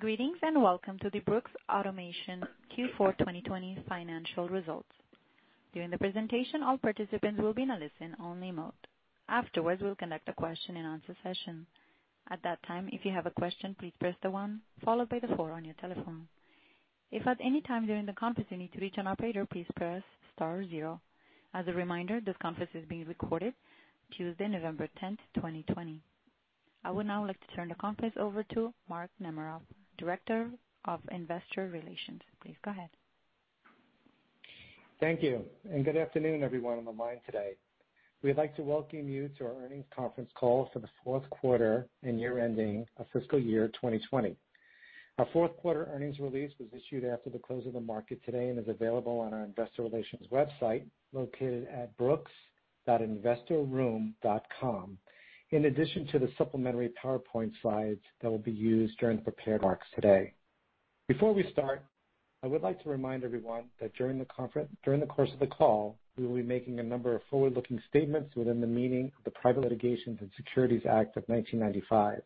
Greetings, and welcome to the Brooks Automation Q4 2020 Financial Results. During the presentation, all participants will be in a listen-only mode. Afterwards, we'll conduct a question-and-answer session. At that time, if you have a question, please press the one followed by the four on your telephone. If at any time during the conference you need to reach an operator, please press star zero. As a reminder, this conference is being recorded Tuesday, November 10th, 2020. I would now like to turn the conference over to Mark Namaroff, Director of Investor Relations. Please go ahead. Thank you, good afternoon, everyone, on the line today. We'd like to welcome you to our earnings conference call for the fourth quarter and year ending of fiscal year 2020. Our fourth quarter earnings release was issued after the close of the market today and is available on our investor relations website, located at brooks.investorroom.com, in addition to the supplementary PowerPoint slides that will be used during the prepared remarks today. Before we start, I would like to remind everyone that during the course of the call, we will be making a number of forward-looking statements within the meaning of the Private Securities Litigation Reform Act of 1995.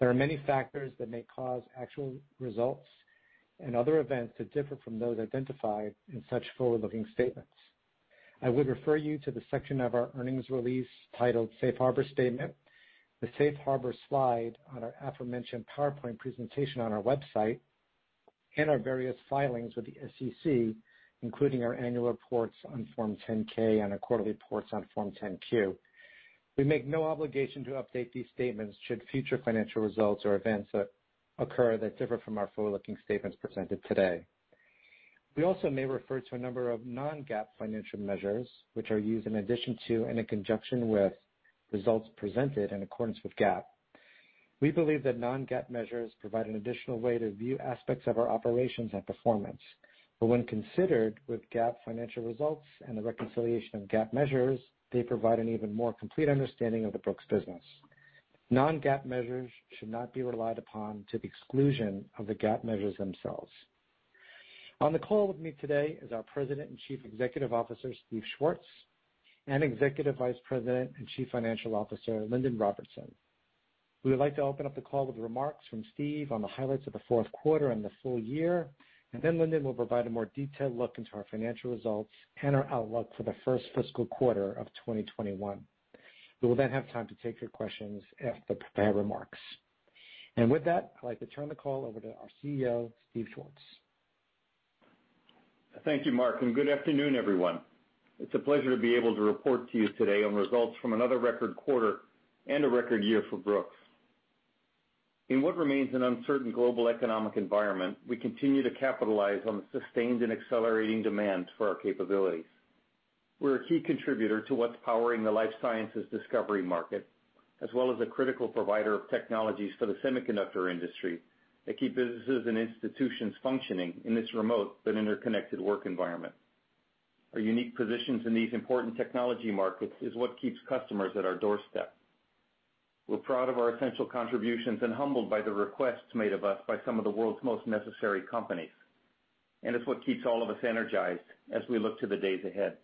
There are many factors that may cause actual results and other events to differ from those identified in such forward-looking statements. I would refer you to the section of our earnings release titled Safe Harbor Statement, the Safe Harbor slide on our aforementioned PowerPoint presentation on our website, and our various filings with the SEC, including our annual reports on Form 10-K and our quarterly reports on Form 10-Q. We make no obligation to update these statements should future financial results or events occur that differ from our forward-looking statements presented today. We also may refer to a number of non-GAAP financial measures, which are used in addition to and in conjunction with results presented in accordance with GAAP. We believe that non-GAAP measures provide an additional way to view aspects of our operations and performance, but when considered with GAAP financial results and the reconciliation of GAAP measures, they provide an even more complete understanding of the Brooks business. Non-GAAP measures should not be relied upon to the exclusion of the GAAP measures themselves. On the call with me today is our President and Chief Executive Officer, Steve Schwartz, and Executive Vice President and Chief Financial Officer, Lindon Robertson. We would like to open up the call with remarks from Steve on the highlights of the fourth quarter and the full year. Lindon will provide a more detailed look into our financial results and our outlook for the first fiscal quarter of 2021. We will then have time to take your questions after the prepared remarks. With that, I'd like to turn the call over to our CEO, Steve Schwartz. Thank you, Mark. Good afternoon, everyone. It's a pleasure to be able to report to you today on results from another record quarter and a record year for Brooks. In what remains an uncertain global economic environment, we continue to capitalize on the sustained and accelerating demand for our capabilities. We're a key contributor to what's powering the Life Sciences discovery market, as well as a critical provider of technologies for the semiconductor industry that keep businesses and institutions functioning in this remote but interconnected work environment. Our unique positions in these important technology markets is what keeps customers at our doorstep. We're proud of our essential contributions and humbled by the requests made of us by some of the world's most necessary companies, and it's what keeps all of us energized as we look to the days ahead.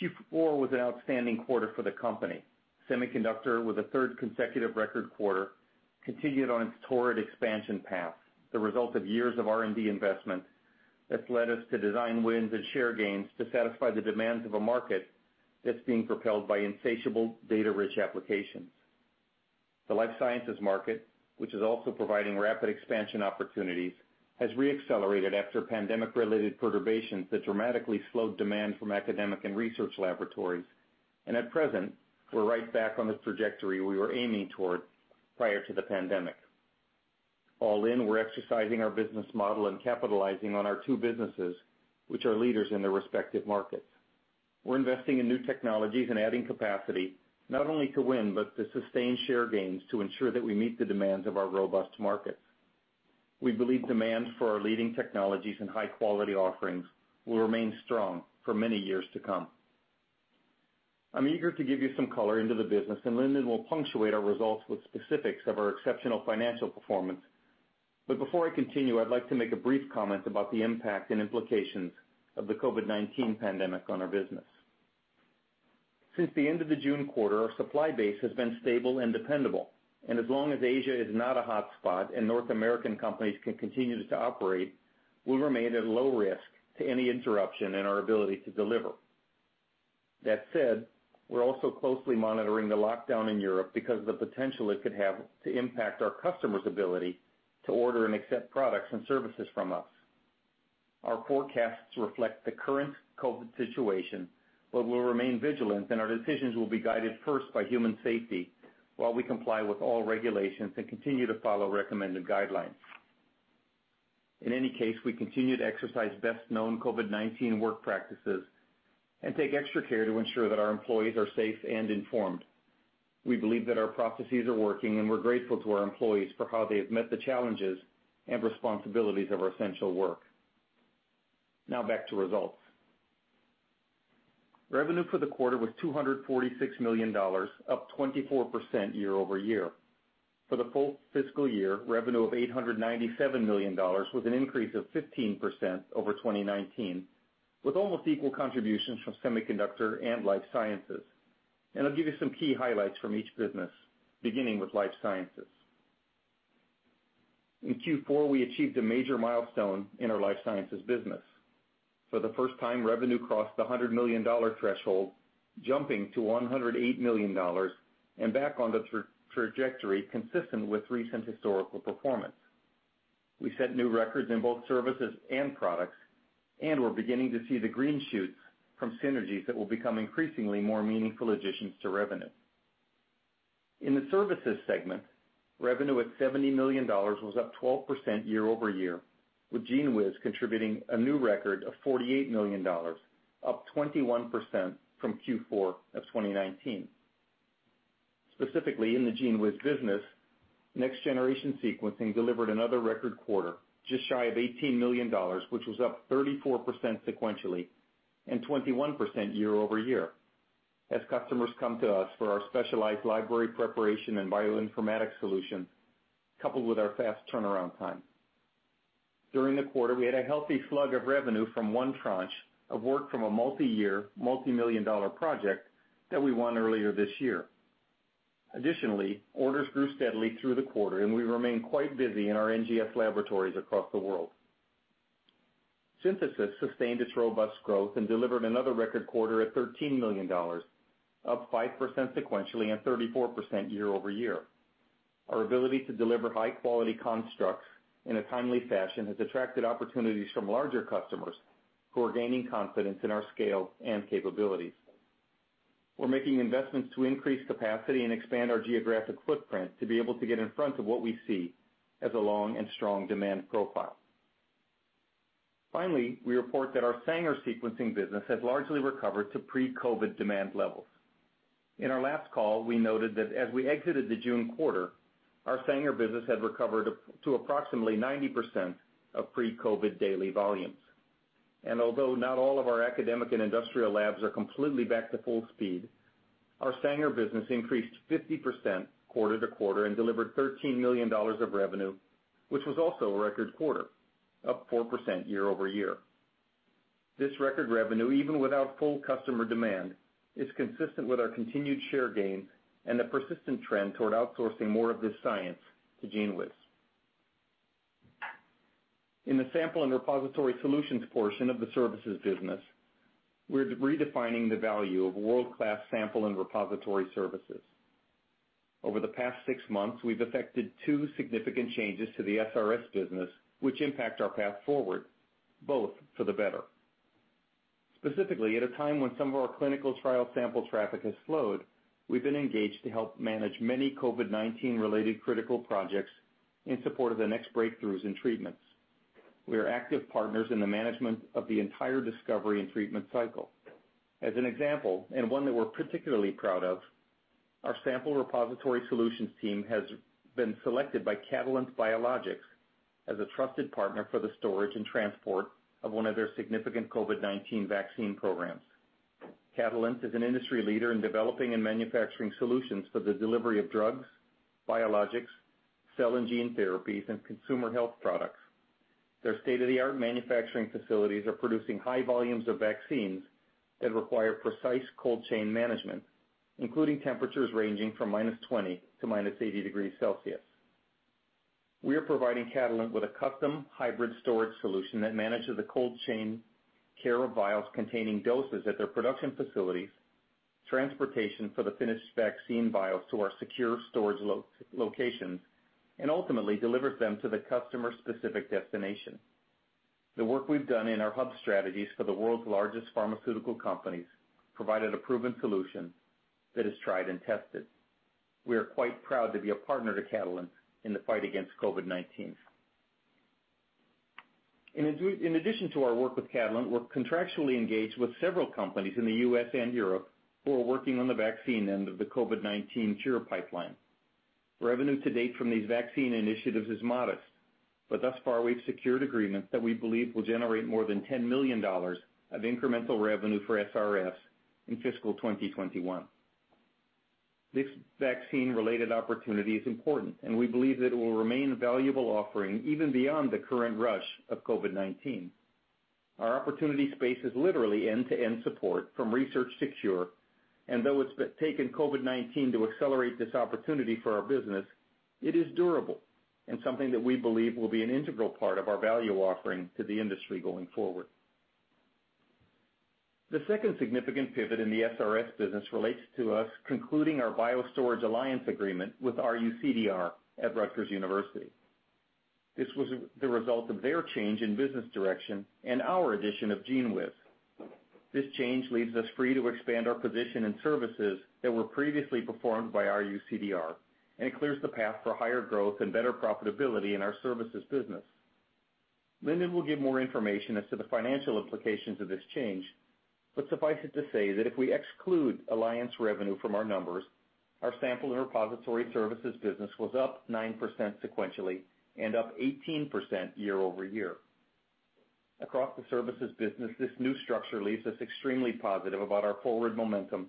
Q4 was an outstanding quarter for the company. Semiconductor, with a third consecutive record quarter, continued on its torrid expansion path, the result of years of R&D investment that's led us to design wins and share gains to satisfy the demands of a market that's being propelled by insatiable data-rich applications. The Life Sciences market, which is also providing rapid expansion opportunities, has re-accelerated after pandemic-related perturbations that dramatically slowed demand from academic and research laboratories. At present, we're right back on the trajectory we were aiming toward prior to the pandemic. All in, we're exercising our business model and capitalizing on our two businesses, which are leaders in their respective markets. We're investing in new technologies and adding capacity, not only to win but to sustain share gains to ensure that we meet the demands of our robust markets. We believe demand for our leading technologies and high-quality offerings will remain strong for many years to come. I'm eager to give you some color into the business. Lindon will punctuate our results with specifics of our exceptional financial performance. Before I continue, I'd like to make a brief comment about the impact and implications of the COVID-19 pandemic on our business. Since the end of the June quarter, our supply base has been stable and dependable. As long as Asia is not a hotspot and North American companies can continue to operate, we'll remain at low risk to any interruption in our ability to deliver. That said, we're also closely monitoring the lockdown in Europe because of the potential it could have to impact our customers' ability to order and accept products and services from us. Our forecasts reflect the current COVID-19 situation, we'll remain vigilant, our decisions will be guided first by human safety while we comply with all regulations and continue to follow recommended guidelines. In any case, we continue to exercise best-known COVID-19 work practices and take extra care to ensure that our employees are safe and informed. We believe that our processes are working, we're grateful to our employees for how they have met the challenges and responsibilities of our essential work. Now back to results. Revenue for the quarter was $246 million, up 24% year-over-year. For the full fiscal year, revenue of $897 million was an increase of 15% over 2019, with almost equal contributions from semiconductor and Life Sciences. I'll give you some key highlights from each business, beginning with Life Sciences. In Q4, we achieved a major milestone in our Life Sciences business. For the first time, revenue crossed the $100 million threshold, jumping to $108 million and back on the trajectory consistent with recent historical performance. We set new records in both services and products. We're beginning to see the green shoots from synergies that will become increasingly more meaningful additions to revenue. In the services segment, revenue at $70 million was up 12% year-over-year, with GENEWIZ contributing a new record of $48 million, up 21% from Q4 of 2019. Specifically in the GENEWIZ business, next-generation sequencing delivered another record quarter, just shy of $18 million, which was up 34% sequentially and 21% year-over-year, as customers come to us for our specialized library preparation and bioinformatics solution, coupled with our fast turnaround time. During the quarter, we had a healthy slug of revenue from one tranche of work from a multi-year, multi-million dollar project that we won earlier this year. Additionally, orders grew steadily through the quarter, and we remain quite busy in our NGS laboratories across the world. Synthesis sustained its robust growth and delivered another record quarter at $13 million, up 5% sequentially and 34% year-over-year. Our ability to deliver high-quality constructs in a timely fashion has attracted opportunities from larger customers who are gaining confidence in our scale and capabilities. We're making investments to increase capacity and expand our geographic footprint to be able to get in front of what we see as a long and strong demand profile. Finally, we report that our Sanger sequencing business has largely recovered to pre-COVID demand levels. In our last call, we noted that as we exited the June quarter, our Sanger business had recovered to approximately 90% of pre-COVID daily volumes. Although not all of our academic and industrial labs are completely back to full speed, our Sanger business increased 50% quarter-to-quarter and delivered $13 million of revenue, which was also a record quarter, up 4% year-over-year. This record revenue, even without full customer demand, is consistent with our continued share gain and the persistent trend toward outsourcing more of this science to GENEWIZ. In the sample and repository solutions portion of the services business, we're redefining the value of world-class sample and repository services. Over the past six months, we've affected two significant changes to the SRS business, which impact our path forward, both for the better. Specifically, at a time when some of our clinical trial sample traffic has slowed, we've been engaged to help manage many COVID-19 related critical projects in support of the next breakthroughs in treatments. We are active partners in the management of the entire discovery and treatment cycle. As an example, and one that we're particularly proud of, our sample repository solutions team has been selected by Catalent Biologics as a trusted partner for the storage and transport of one of their significant COVID-19 vaccine programs. Catalent is an industry leader in developing and manufacturing solutions for the delivery of drugs, biologics, cell and gene therapies, and consumer health products. Their state-of-the-art manufacturing facilities are producing high volumes of vaccines that require precise cold chain management, including temperatures ranging from -20 to -80 degrees Celsius. We are providing Catalent with a custom hybrid storage solution that manages the cold chain care of vials containing doses at their production facilities, transportation for the finished vaccine vials to our secure storage locations, and ultimately delivers them to the customer-specific destination. The work we've done in our hub strategies for the world's largest pharmaceutical companies provided a proven solution that is tried and tested. We are quite proud to be a partner to Catalent in the fight against COVID-19. In addition to our work with Catalent, we're contractually engaged with several companies in the U.S. and Europe who are working on the vaccine end of the COVID-19 cure pipeline. Revenue to date from these vaccine initiatives is modest. Thus far, we've secured agreements that we believe will generate more than $10 million of incremental revenue for SRS in fiscal 2021. This vaccine-related opportunity is important, and we believe that it will remain a valuable offering even beyond the current rush of COVID-19. Our opportunity space is literally end-to-end support from research to cure, and though it's taken COVID-19 to accelerate this opportunity for our business, it is durable and something that we believe will be an integral part of our value offering to the industry going forward. The second significant pivot in the SRS business relates to us concluding our BioStorage alliance agreement with RUCDR at Rutgers University. This was the result of their change in business direction and our addition of GENEWIZ. This change leaves us free to expand our position and services that were previously performed by RUCDR, and it clears the path for higher growth and better profitability in our services business. Lindon will give more information as to the financial implications of this change, but suffice it to say that if we exclude alliance revenue from our numbers, our sample and repository services business was up 9% sequentially and up 18% year-over-year. Across the services business, this new structure leaves us extremely positive about our forward momentum,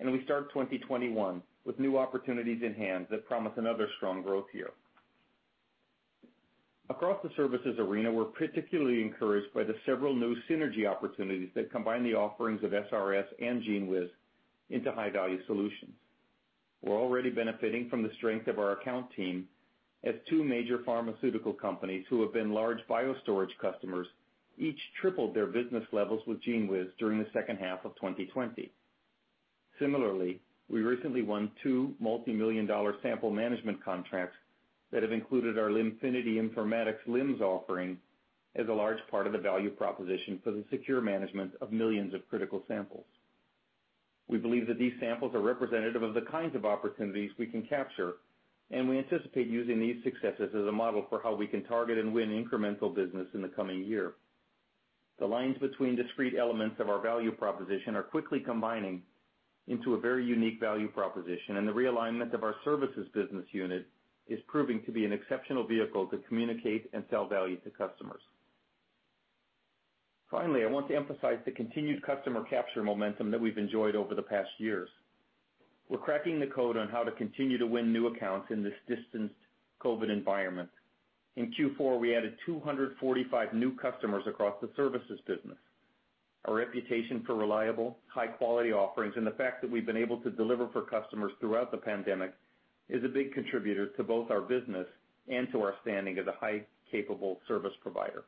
and we start 2021 with new opportunities in hand that promise another strong growth year. Across the services arena, we're particularly encouraged by the several new synergy opportunities that combine the offerings of SRS and GENEWIZ into high-value solutions. We're already benefiting from the strength of our account team, as two major pharmaceutical companies who have been large BioStorage customers, each tripled their business levels with GENEWIZ during the second half of 2020. Similarly, we recently won two multimillion-dollar sample management contracts that have included our Limfinity Informatics LIMS offering as a large part of the value proposition for the secure management of millions of critical samples. We believe that these samples are representative of the kinds of opportunities we can capture, and we anticipate using these successes as a model for how we can target and win incremental business in the coming year. The lines between discrete elements of our value proposition are quickly combining into a very unique value proposition, and the realignment of our services business unit is proving to be an exceptional vehicle to communicate and sell value to customers. Finally, I want to emphasize the continued customer capture momentum that we've enjoyed over the past years. We're cracking the code on how to continue to win new accounts in this distanced COVID environment. In Q4, we added 245 new customers across the services business. Our reputation for reliable, high-quality offerings and the fact that we've been able to deliver for customers throughout the pandemic is a big contributor to both our business and to our standing as a high capable service provider.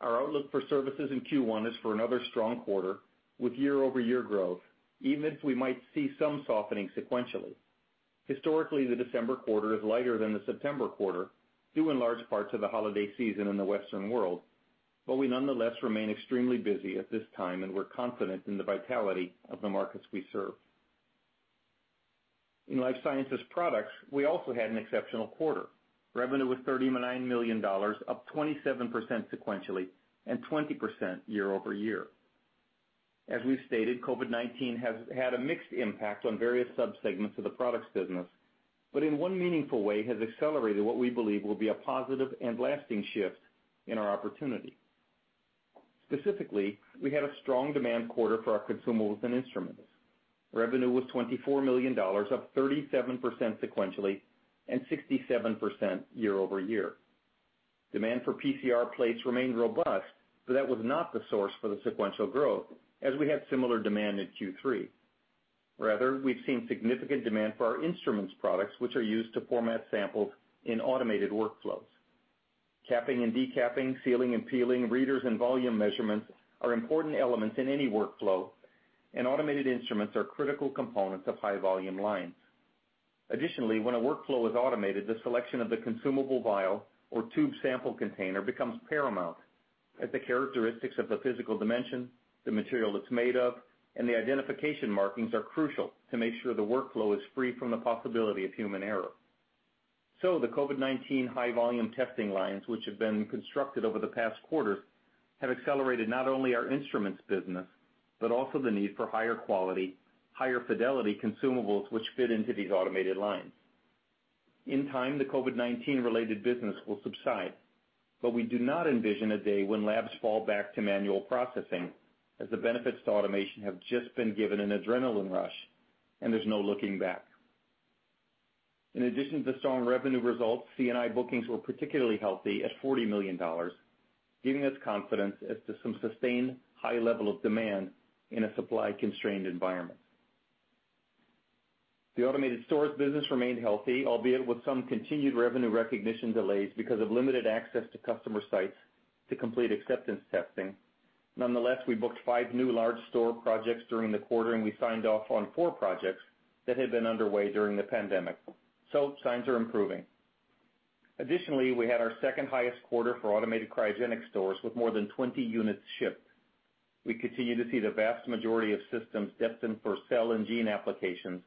Our outlook for services in Q1 is for another strong quarter with year-over-year growth, even if we might see some softening sequentially. Historically, the December quarter is lighter than the September quarter, due in large part to the holiday season in the Western world. We nonetheless remain extremely busy at this time, and we're confident in the vitality of the markets we serve. In Life Sciences Products, we also had an exceptional quarter. Revenue was $39 million, up 27% sequentially and 20% year-over-year. As we've stated, COVID-19 has had a mixed impact on various subsegments of the products business, but in one meaningful way, has accelerated what we believe will be a positive and lasting shift in our opportunity. Specifically, we had a strong demand quarter for our consumables and instruments. Revenue was $24 million, up 37% sequentially and 67% year-over-year. Demand for PCR plates remained robust, but that was not the source for the sequential growth, as we had similar demand in Q3. Rather, we've seen significant demand for our instruments products, which are used to format samples in automated workflows. Capping and decapping, sealing and peeling, readers and volume measurements are important elements in any workflow, and automated instruments are critical components of high-volume lines. Additionally, when a workflow is automated, the selection of the consumable vial or tube sample container becomes paramount as the characteristics of the physical dimension, the material it's made of, and the identification markings are crucial to make sure the workflow is free from the possibility of human error. The COVID-19 high-volume testing lines, which have been constructed over the past quarters, have accelerated not only our instruments business, but also the need for higher quality, higher fidelity consumables which fit into these automated lines. In time, the COVID-19 related business will subside, but we do not envision a day when labs fall back to manual processing, as the benefits to automation have just been given an adrenaline rush and there's no looking back. In addition to the strong revenue results, C&I bookings were particularly healthy at $40 million, giving us confidence as to some sustained high level of demand in a supply-constrained environment. The automated stores business remained healthy, albeit with some continued revenue recognition delays because of limited access to customer sites to complete acceptance testing. Nonetheless, we booked five new large store projects during the quarter, and we signed off on four projects that had been underway during the pandemic. Signs are improving. Additionally, we had our second highest quarter for automated cryogenic stores with more than 20 units shipped. We continue to see the vast majority of systems destined for cell and gene applications,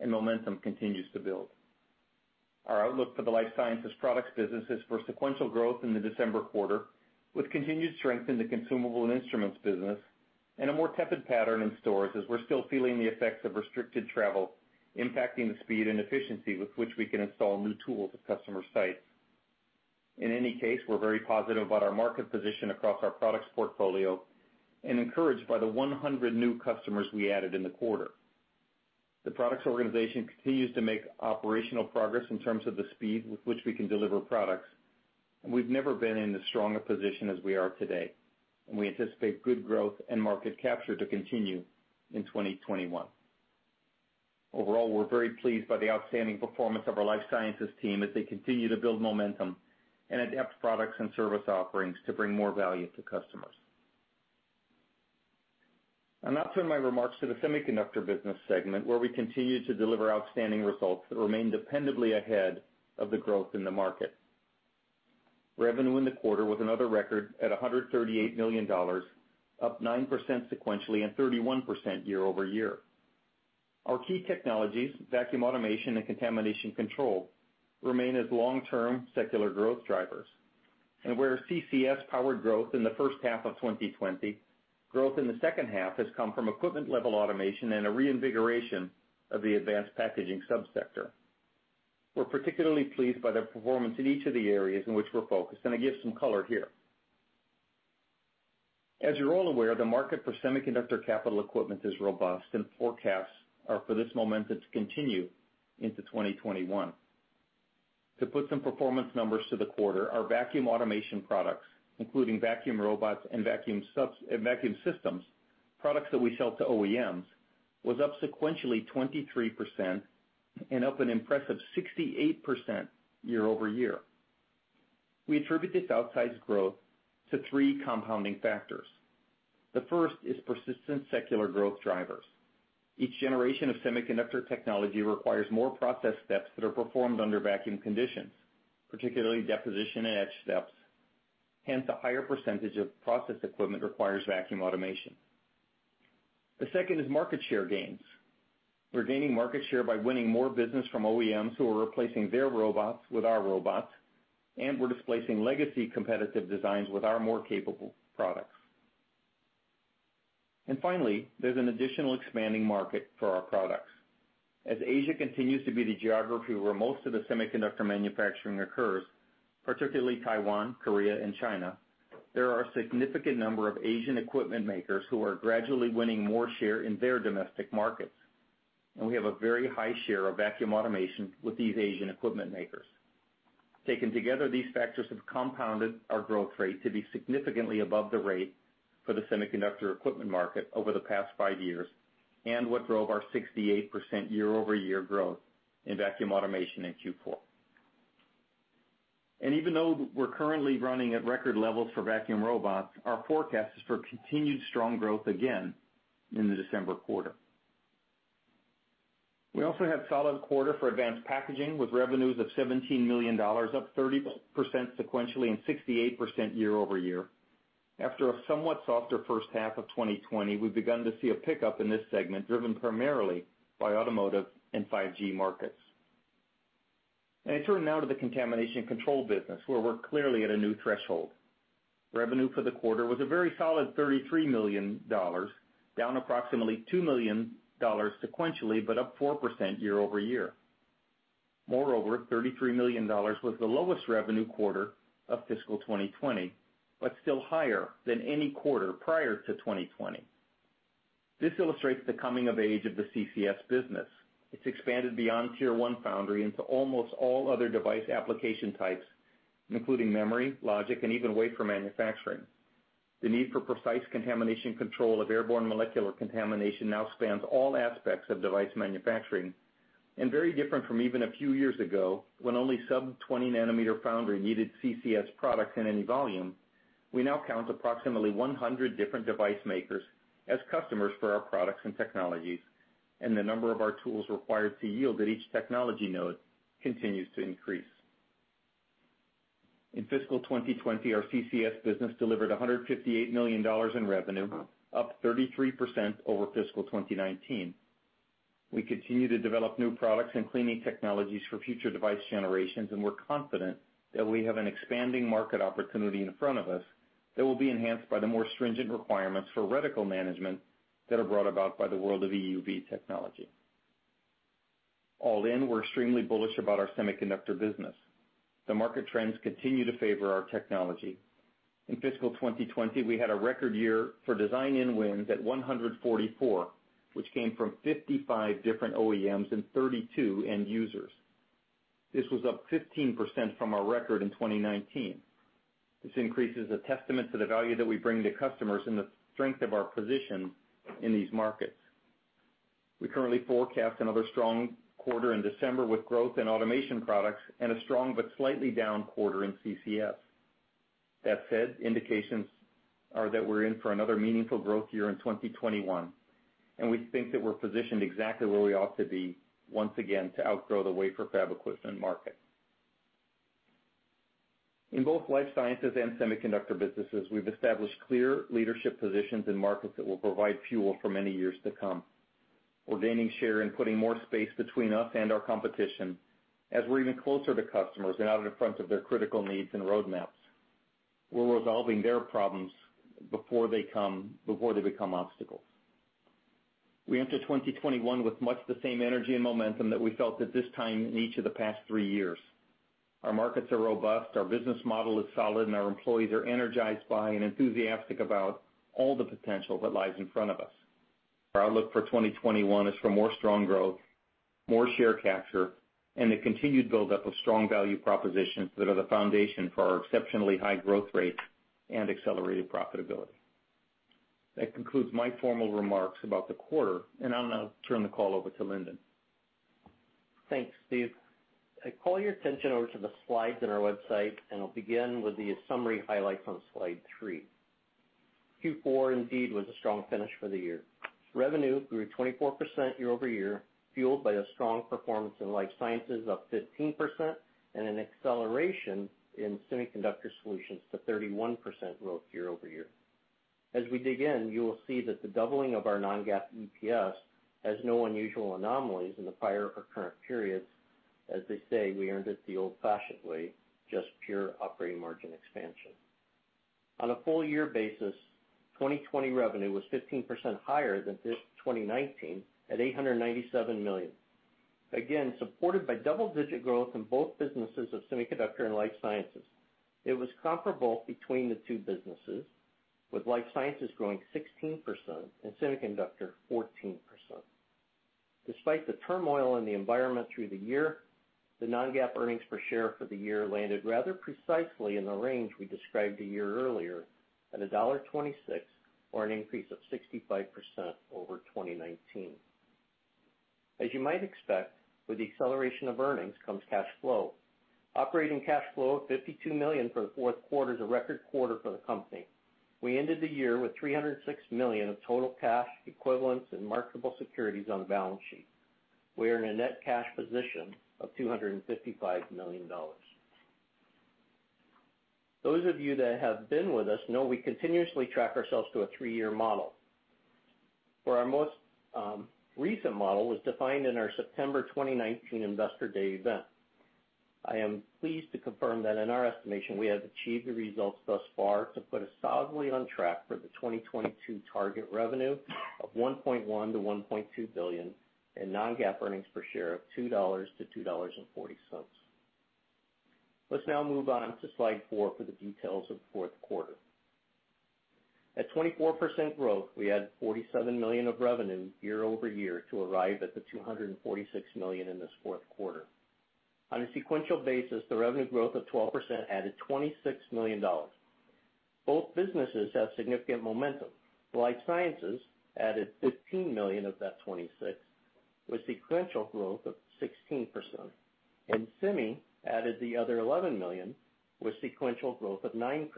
and momentum continues to build. Our outlook for the Life Sciences Products business is for sequential growth in the December quarter, with continued strength in the consumable and instruments business and a more tepid pattern in BioStore as we're still feeling the effects of restricted travel impacting the speed and efficiency with which we can install new tools at customer sites. In any case, we're very positive about our market position across our products portfolio and encouraged by the 100 new customers we added in the quarter. The products organization continues to make operational progress in terms of the speed with which we can deliver products, and we've never been in as strong a position as we are today. We anticipate good growth and market capture to continue in 2021. Overall, we're very pleased by the outstanding performance of our Life Sciences team as they continue to build momentum and adapt products and service offerings to bring more value to customers. I'll now turn my remarks to the semiconductor business segment, where we continue to deliver outstanding results that remain dependably ahead of the growth in the market. Revenue in the quarter was another record at $138 million, up 9% sequentially and 31% year-over-year. Our key technologies, vacuum automation, and contamination control, remain as long-term secular growth drivers. Where CCS powered growth in the first half of 2020, growth in the second half has come from equipment-level automation and a reinvigoration of the advanced packaging subsector. We're particularly pleased by the performance in each of the areas in which we're focused, and I give some color here. As you're all aware, the market for semiconductor capital equipment is robust, and forecasts are for this momentum to continue into 2021. To put some performance numbers to the quarter, our vacuum automation products, including vacuum robots and vacuum systems, products that we sell to OEMs, was up sequentially 23% and up an impressive 68% year-over-year. We attribute this outsized growth to three compounding factors. The first is persistent secular growth drivers. Each generation of semiconductor technology requires more process steps that are performed under vacuum conditions, particularly deposition and etch steps. Hence, a higher percentage of process equipment requires vacuum automation. The second is market share gains. We're gaining market share by winning more business from OEMs who are replacing their robots with our robots, and we're displacing legacy competitive designs with our more capable products. Finally, there's an additional expanding market for our products. As Asia continues to be the geography where most of the semiconductor manufacturing occurs, particularly Taiwan, Korea, and China, there are a significant number of Asian equipment makers who are gradually winning more share in their domestic markets. We have a very high share of vacuum automation with these Asian equipment makers. Taken together, these factors have compounded our growth rate to be significantly above the rate for the semiconductor equipment market over the past five years, and what drove our 68% year-over-year growth in vacuum automation in Q4. Even though we're currently running at record levels for vacuum robots, our forecast is for continued strong growth again in the December quarter. We also had a solid quarter for advanced packaging, with revenues of $17 million, up 30% sequentially and 68% year-over-year. After a somewhat softer first half of 2020, we've begun to see a pickup in this segment, driven primarily by automotive and 5G markets. I turn now to the contamination control business, where we're clearly at a new threshold. Revenue for the quarter was a very solid $33 million, down approximately $2 million sequentially, but up 4% year-over-year. Moreover, $33 million was the lowest revenue quarter of fiscal 2020, but still higher than any quarter prior to 2020. This illustrates the coming of age of the CCS business. It's expanded beyond tier 1 foundry into almost all other device application types, including memory, logic, and even wafer manufacturing. The need for precise contamination control of airborne molecular contamination now spans all aspects of device manufacturing, and very different from even a few years ago, when only sub-20 nm foundry needed CCS products in any volume. We now count approximately 100 different device makers as customers for our products and technologies, and the number of our tools required to yield at each technology node continues to increase. In fiscal 2020, our CCS business delivered $158 million in revenue, up 33% over fiscal 2019. We continue to develop new products and cleaning technologies for future device generations, and we're confident that we have an expanding market opportunity in front of us that will be enhanced by the more stringent requirements for reticle management that are brought about by the world of EUV technology. All in, we're extremely bullish about our semiconductor business. The market trends continue to favor our technology. In fiscal 2020, we had a record year for design wins at 144, which came from 55 different OEMs and 32 end users. This was up 15% from our record in 2019. This increase is a testament to the value that we bring to customers and the strength of our position in these markets. We currently forecast another strong quarter in December with growth in automation products and a strong but slightly down quarter in CCS. That said, indications are that we're in for another meaningful growth year in 2021, and we think that we're positioned exactly where we ought to be once again to outgrow the wafer fab equipment market. In both Life Sciences and semiconductor businesses, we've established clear leadership positions in markets that will provide fuel for many years to come. We're gaining share and putting more space between us and our competition as we're even closer to customers and out in front of their critical needs and roadmaps. We're resolving their problems before they become obstacles. We enter 2021 with much the same energy and momentum that we felt at this time in each of the past three years. Our markets are robust, our business model is solid, and our employees are energized by and enthusiastic about all the potential that lies in front of us. Our outlook for 2021 is for more strong growth, more share capture, and the continued buildup of strong value propositions that are the foundation for our exceptionally high growth rate and accelerated profitability. That concludes my formal remarks about the quarter, and I'll now turn the call over to Lindon. Thanks, Steve. I call your attention over to the slides on our website, I'll begin with the summary highlights on slide three. Q4, indeed, was a strong finish for the year. Revenue grew 24% year-over-year, fueled by a strong performance in Life Sciences up 15%, an acceleration in Semiconductor Solutions to 31% growth year-over-year. You will see that the doubling of our non-GAAP EPS has no unusual anomalies in the prior or current periods. As they say, we earned it the old-fashioned way, just pure operating margin expansion. On a full year basis, 2020 revenue was 15% higher than 2019 at $897 million. Supported by double-digit growth in both businesses of semiconductor and Life Sciences. It was comparable between the two businesses, with Life Sciences growing 16% and semiconductor 14%. Despite the turmoil in the environment through the year, the non-GAAP earnings per share for the year landed rather precisely in the range we described a year earlier, at $1.26, or an increase of 65% over 2019. As you might expect, with the acceleration of earnings comes cash flow. Operating cash flow of $52 million for the fourth quarter is a record quarter for the company. We ended the year with $306 million of total cash equivalents in marketable securities on the balance sheet. We are in a net cash position of $255 million. Those of you that have been with us know we continuously track ourselves to a three-year model. Our most recent model was defined in our September 2019 Investor Day event. I am pleased to confirm that in our estimation, we have achieved the results thus far to put us solidly on track for the 2022 target revenue of $1.1 billion-$1.2 billion in non-GAAP earnings per share of $2-$2.40. Let's now move on to slide four for the details of the fourth quarter. At 24% growth, we had $47 million of revenue year-over-year to arrive at the $246 million in this fourth quarter. On a sequential basis, the revenue growth of 12% added $26 million. Both businesses have significant momentum. Life sciences added $15 million of that $26, with sequential growth of 16%. Semi added the other $11 million with sequential growth of 9%.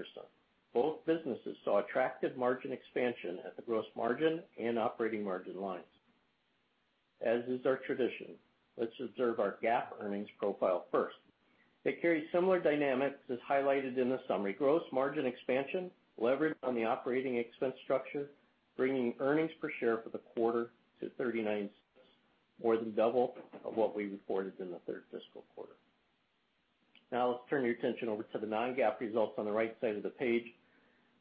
Both businesses saw attractive margin expansion at the gross margin and operating margin lines. As is our tradition, let's observe our GAAP earnings profile first. They carry similar dynamics as highlighted in the summary. Gross margin expansion, leverage on the operating expense structure, bringing earnings per share for the quarter to $0.39, more than double of what we reported in the third fiscal quarter. Now let's turn your attention over to the non-GAAP results on the right side of the page.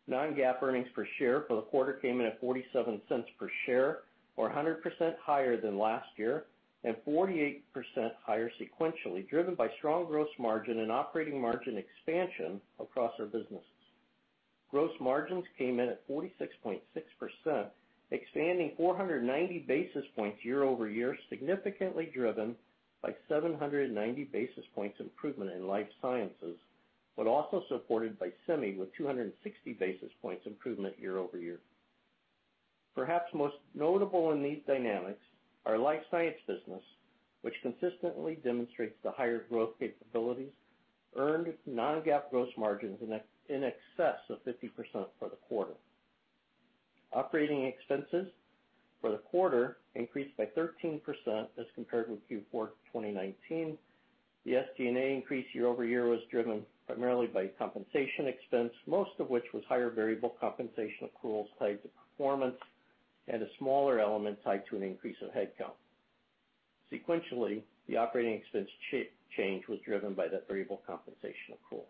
Non-GAAP earnings per share for the quarter came in at $0.47 per share, or 100% higher than last year, and 48% higher sequentially, driven by strong gross margin and operating margin expansion across our businesses. Gross margins came in at 46.6%, expanding 490 basis points year-over-year, significantly driven by 790 basis points improvement in Life Sciences, but also supported by semi, with 260 basis points improvement year-over-year. Perhaps most notable in these dynamics, our Life Sciences business, which consistently demonstrates the higher growth capabilities, earned non-GAAP gross margins in excess of 50% for the quarter. Operating expenses for the quarter increased by 13% as compared with Q4 2019. The SG&A increase year-over-year was driven primarily by compensation expense, most of which was higher variable compensation accruals tied to performance and a smaller element tied to an increase of headcount. Sequentially, the operating expense change was driven by that variable compensation accrual.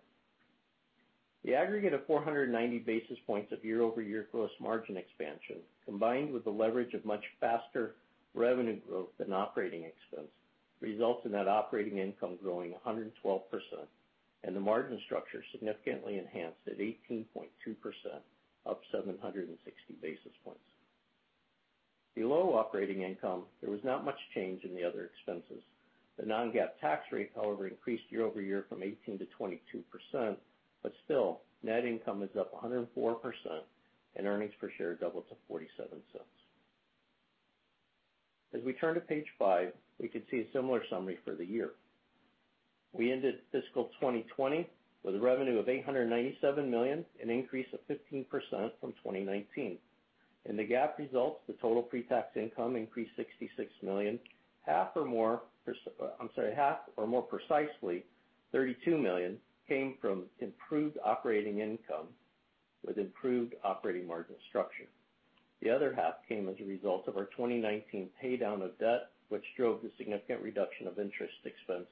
The aggregate of 490 basis points of year-over-year gross margin expansion, combined with the leverage of much faster revenue growth than operating expense, results in that operating income growing 112%, and the margin structure significantly enhanced at 18.2%, up 760 basis points. Below operating income, there was not much change in the other expenses. The non-GAAP tax rate, however, increased year-over-year from 18% to 22%, but still, net income is up 104%, and earnings per share doubled to $0.47. As we turn to page five, we can see a similar summary for the year. We ended fiscal 2020 with a revenue of $897 million, an increase of 15% from 2019. In the GAAP results, the total pre-tax income increased $66 million. Half or more precisely, $32 million, came from improved operating income with improved operating margin structure. The other half came as a result of our 2019 pay-down of debt, which drove the significant reduction of interest expense,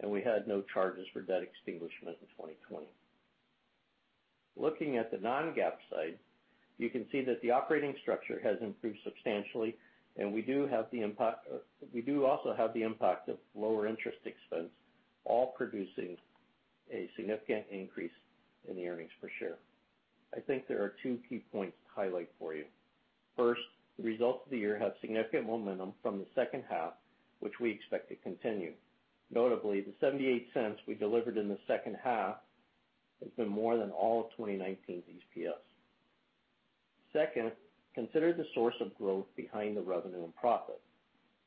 and we had no charges for debt extinguishment in 2020. Looking at the non-GAAP side, you can see that the operating structure has improved substantially, and we do also have the impact of lower interest expense, all producing a significant increase in the earnings per share. I think there are two key points to highlight for you. First, the results of the year have significant momentum from the second half, which we expect to continue. Notably, the $0.78 we delivered in the second half has been more than all of 2019's EPS. Second, consider the source of growth behind the revenue and profit.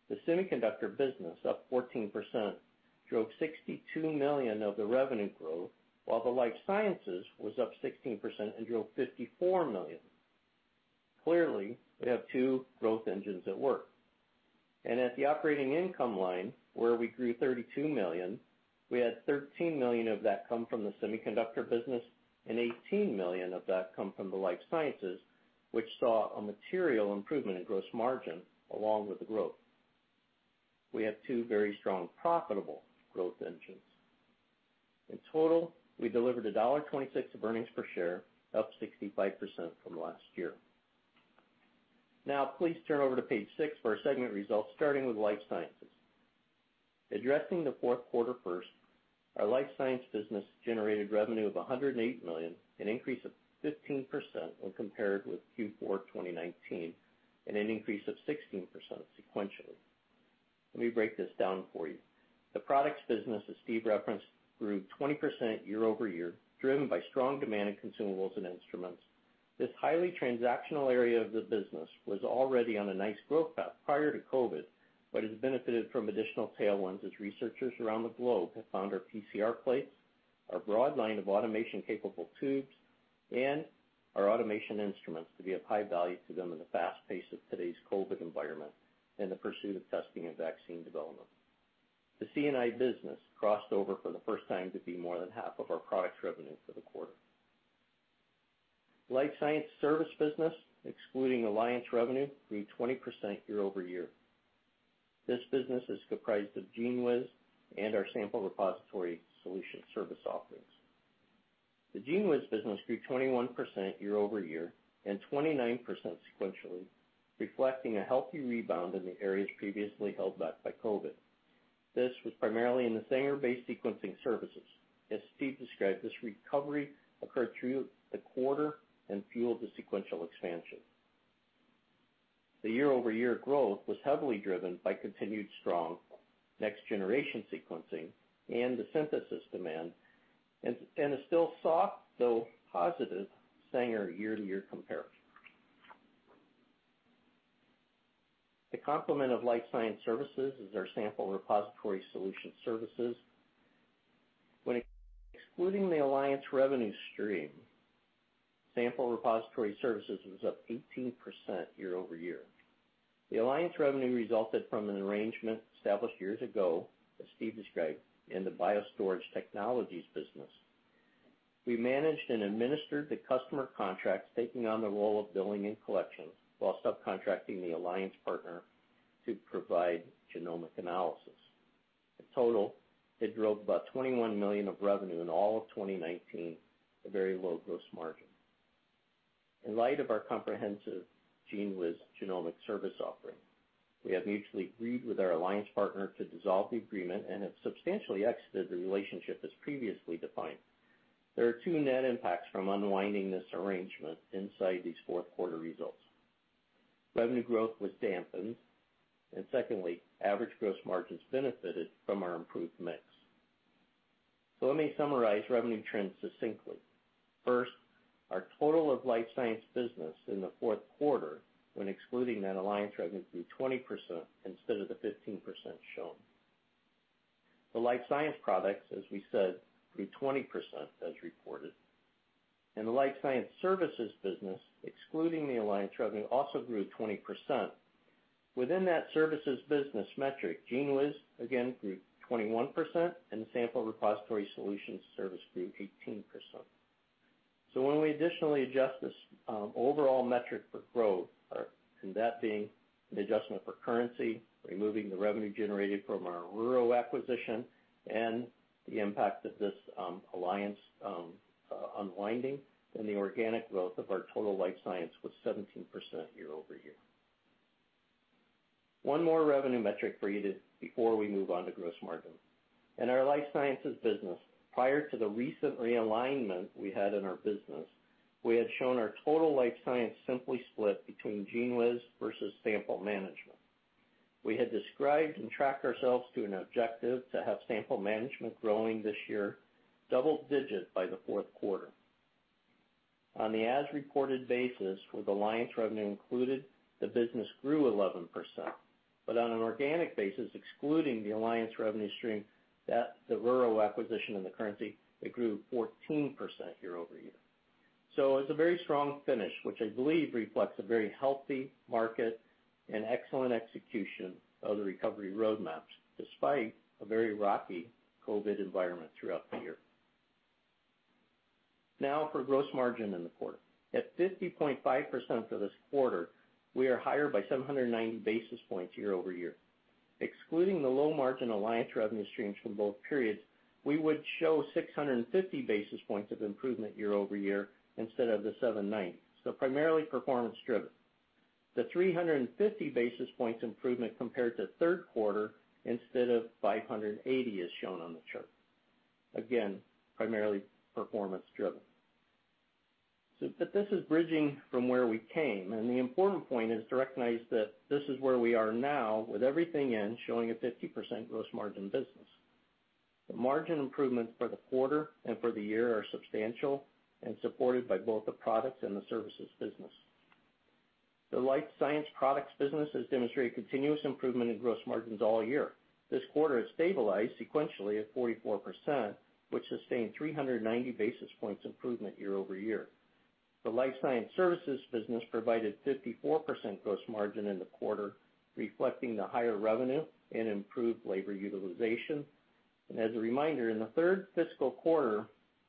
The semiconductor business, up 14%, drove $62 million of the revenue growth, while the Life Sciences was up 16% and drove $54 million. Clearly, we have two growth engines at work. At the operating income line, where we grew $32 million, we had $13 million of that come from the semiconductor business and $18 million of that come from the Life Sciences, which saw a material improvement in gross margin along with the growth. We have two very strong, profitable growth engines. In total, we delivered $1.26 earnings per share, up 65% from last year. Please turn over to page six for our segment results, starting with Life Sciences. Addressing the fourth quarter first, our Life Sciences business generated revenue of $108 million, an increase of 15% when compared with Q4 2019, and an increase of 16% sequentially. Let me break this down for you. The products business, as Steve referenced, grew 20% year-over-year, driven by strong demand in consumables and instruments. This highly transactional area of the business was already on a nice growth path prior to COVID, but has benefited from additional tailwinds as researchers around the globe have found our PCR plates, our broad line of automation-capable tubes, and our automation instruments to be of high value to them in the fast pace of today's COVID environment and the pursuit of testing and vaccine development. The C&I business crossed over for the first time to be more than half of our products revenue for the quarter. Life Sciences Service business, excluding alliance revenue, grew 20% year-over-year. This business is comprised of GENEWIZ and our sample repository solution service offerings. The GENEWIZ business grew 21% year-over-year and 29% sequentially, reflecting a healthy rebound in the areas previously held back by COVID. This was primarily in the Sanger-based sequencing services. As Steve described, this recovery occurred through the quarter and fueled the sequential expansion. The year-over-year growth was heavily driven by continued strong next-generation sequencing and the synthesis demand, and a still soft, though positive, Sanger year-to-year comparison. The complement of Life Sciences Services is our sample repository solution services. When excluding the alliance revenue stream, sample repository services was up 18% year-over-year. The alliance revenue resulted from an arrangement established years ago, as Steve described, in the BioStorage Technologies business. We managed and administered the customer contracts, taking on the role of billing and collection while subcontracting the alliance partner to provide genomic analysis. In total, it drove about $21 million of revenue in all of 2019, a very low gross margin. In light of our comprehensive GENEWIZ genomic service offering, we have mutually agreed with our alliance partner to dissolve the agreement and have substantially exited the relationship as previously defined. There are two net impacts from unwinding this arrangement inside these fourth quarter results. Revenue growth was dampened, and secondly, average gross margins benefited from our improved mix. Let me summarize revenue trends succinctly. First, our total of Life Sciences business in the fourth quarter, when excluding net alliance revenue, grew 20% instead of the 15% shown. The Life Sciences Products, as we said, grew 20% as reported, and the Life Sciences Services business, excluding the alliance revenue, also grew 20%. Within that services business metric, GENEWIZ again grew 21%, and the sample repository solutions service grew 18%. When we additionally adjust this overall metric for growth, and that being the adjustment for currency, removing the revenue generated from our RURO acquisition and the impact of this alliance unwinding, the organic growth of our total Life Sciences was 17% year-over-year. One more revenue metric for you before we move on to gross margin. In our Life Sciences business, prior to the recent realignment we had in our business, we had shown our total Life Sciences simply split between GENEWIZ versus sample management. We had described and tracked ourselves to an objective to have sample management growing this year double-digit by the fourth quarter. On the as-reported basis, with alliance revenue included, the business grew 11%, but on an organic basis, excluding the alliance revenue stream, the RURO acquisition and the currency, it grew 14% year-over-year. It's a very strong finish, which I believe reflects a very healthy market and excellent execution of the recovery roadmaps, despite a very rocky COVID-19 environment throughout the year. For gross margin in the quarter. At 50.5% for this quarter, we are higher by 790 basis points year-over-year. Excluding the low-margin alliance revenue streams from both periods, we would show 650 basis points of improvement year-over-year instead of the 790 basis points. Primarily performance driven. The 350 basis points improvement compared to third quarter instead of 580 as shown on the chart. Again, primarily performance driven. This is bridging from where we came, and the important point is to recognize that this is where we are now with everything in showing a 50% gross margin business. The margin improvements for the quarter and for the year are substantial and supported by both the products and the services business. The Life Sciences Products business has demonstrated continuous improvement in gross margins all year. This quarter, it stabilized sequentially at 44%, which sustained 390 basis points improvement year-over-year. The Life Sciences Services business provided 54% gross margin in the quarter, reflecting the higher revenue and improved labor utilization. As a reminder, in the third fiscal quarter,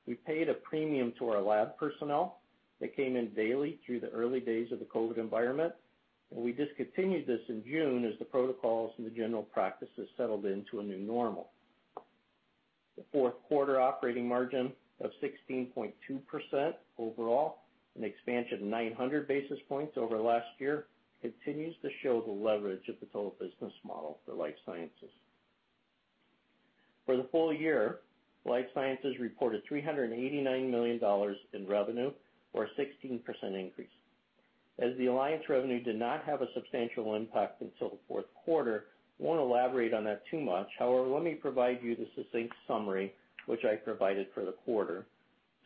we paid a premium to our lab personnel that came in daily through the early days of the COVID-19 environment, and we discontinued this in June as the protocols and the general practices settled into a new normal. The fourth quarter operating margin of 16.2% overall, an expansion of 900 basis points over last year, continues to show the leverage of the total business model for Life Sciences. For the full year, Life Sciences reported $389 million in revenue or a 16% increase. As the alliance revenue did not have a substantial impact until the fourth quarter, I won't elaborate on that too much. Let me provide you the succinct summary which I provided for the quarter.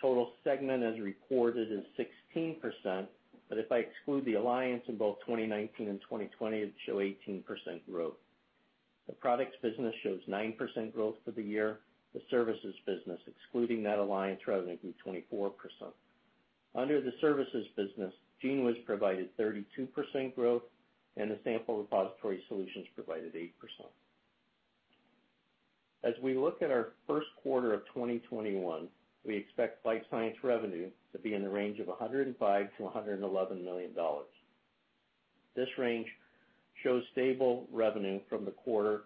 Total segment, as reported, is 16%, if I exclude the alliance in both 2019 and 2020, it'd show 18% growth. The products business shows 9% growth for the year. The services business, excluding that alliance revenue, grew 24%. Under the services business, GENEWIZ provided 32% growth and the sample repository solutions provided 8%. As we look at our first quarter of 2021, we expect Life Sciences revenue to be in the range of $105 million-$111 million. This range shows stable revenue from the fourth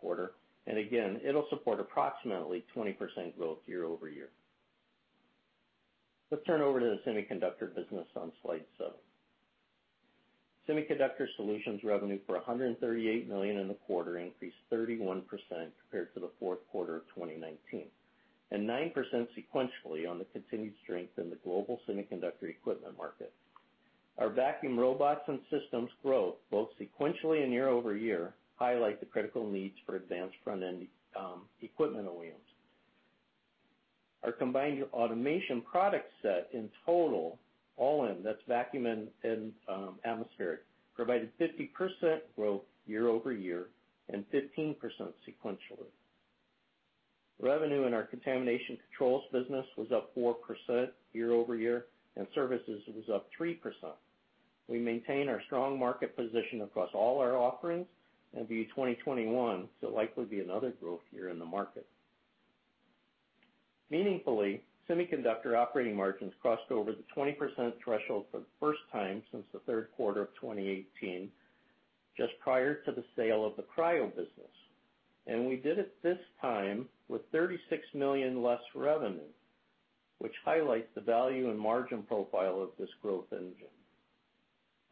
quarter, again, it'll support approximately 20% growth year-over-year. Let's turn over to the semiconductor business on slide seven. Semiconductor Solutions revenue for $138 million in the quarter increased 31% compared to the fourth quarter of 2019, and 9% sequentially on the continued strength in the global semiconductor equipment market. Our vacuum robots and systems growth, both sequentially and year-over-year, highlight the critical needs for advanced front-end equipment on wheels. Our combined automation product set in total, all in, that's vacuum and atmospheric, provided 50% growth year-over-year and 15% sequentially. Revenue in our Contamination Controls business was up 4% year-over-year, and services was up 3%. We maintain our strong market position across all our offerings and view 2021 to likely be another growth year in the market. Meaningfully, semiconductor operating margins crossed over the 20% threshold for the first time since the third quarter of 2018, just prior to the sale of the Cryo business. We did it this time with $36 million less revenue, which highlights the value and margin profile of this growth engine.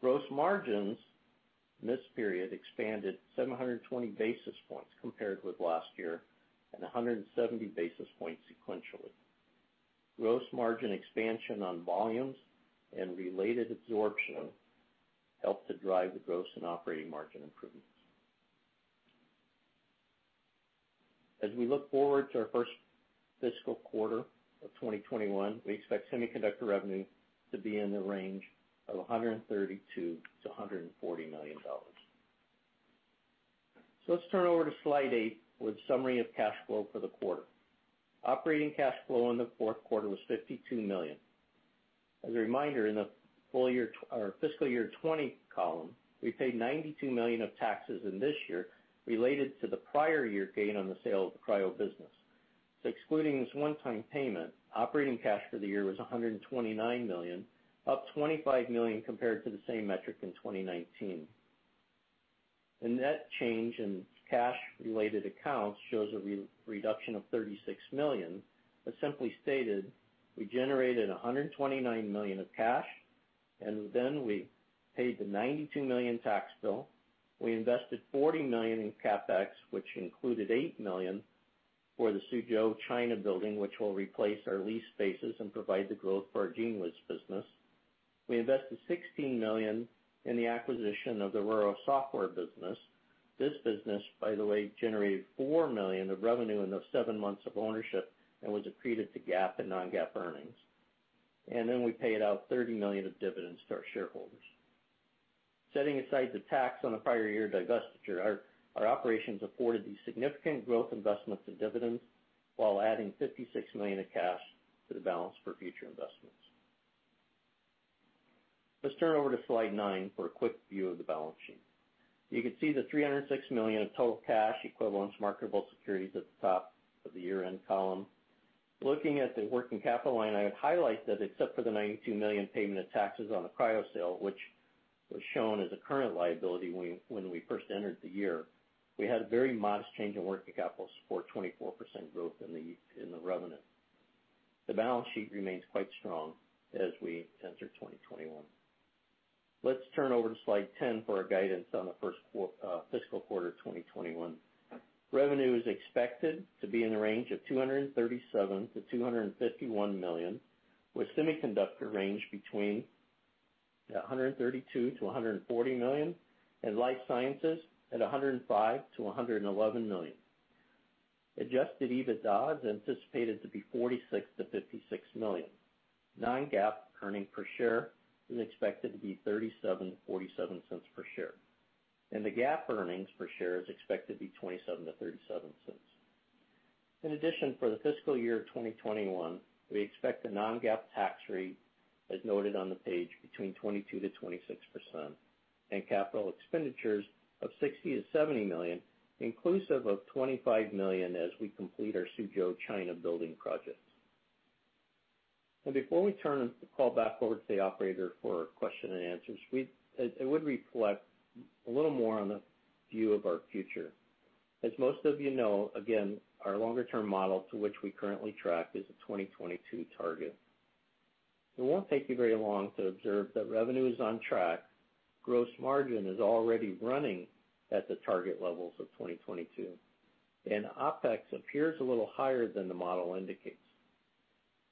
Gross margins this period expanded 720 basis points compared with last year, and 170 basis points sequentially. Gross margin expansion on volumes and related absorption helped to drive the gross and operating margin improvements. As we look forward to our first fiscal quarter of 2021, we expect semiconductor revenue to be in the range of $132 million-$140 million. Let's turn over to slide eight with summary of cash flow for the quarter. Operating cash flow in the fourth quarter was $52 million. As a reminder, in the fiscal year 2020 column, we paid $92 million of taxes in this year related to the prior year gain on the sale of the Cryo business. Excluding this one-time payment, operating cash for the year was $129 million, up $25 million compared to the same metric in 2019. The net change in cash-related accounts shows a reduction of $36 million. Simply stated, we generated $129 million of cash. Then we paid the $92 million tax bill. We invested $40 million in CapEx, which included $8 million for the Suzhou, China, building, which will replace our leased spaces and provide the growth for our GENEWIZ business. We invested $16 million in the acquisition of the RURO software business. This business, by the way, generated $4 million of revenue in those seven months of ownership and was accretive to GAAP and non-GAAP earnings. We paid out $30 million of dividends to our shareholders. Setting aside the tax on a prior year divestiture, our operations afforded these significant growth investments and dividends while adding $56 million of cash to the balance for future investments. Let's turn over to slide nine for a quick view of the balance sheet. You can see the $306 million of total cash equivalents, marketable securities at the top of the year-end column. Looking at the working capital line, I would highlight that except for the $92 million payment of taxes on the Cryo sale, which was shown as a current liability when we first entered the year, we had a very modest change in working capital to support 24% growth in the revenue. The balance sheet remains quite strong as we enter 2021. Let's turn over to slide 10 for our guidance on the first fiscal quarter 2021. Revenue is expected to be in the range of $237 million-$251 million, with semiconductor range between $132 million-$140 million, and Life Sciences at $105 million-$111 million. Adjusted EBITDA is anticipated to be $46 million-$56 million. Non-GAAP earnings per share is expected to be $0.37-$0.47 per share. The GAAP earnings per share is expected to be $0.27-$0.37. In addition, for the fiscal year 2021, we expect the non-GAAP tax rate as noted on the page, between 22%-26%, and capital expenditures of $60 million-$70 million, inclusive of $25 million as we complete our Suzhou China building projects. Before we turn the call back over to the operator for question and answers, I would reflect a little more on the view of our future. As most of you know, again, our longer-term model to which we currently track is a 2022 target. It won't take you very long to observe that revenue is on track, gross margin is already running at the target levels of 2022, and OPEX appears a little higher than the model indicates.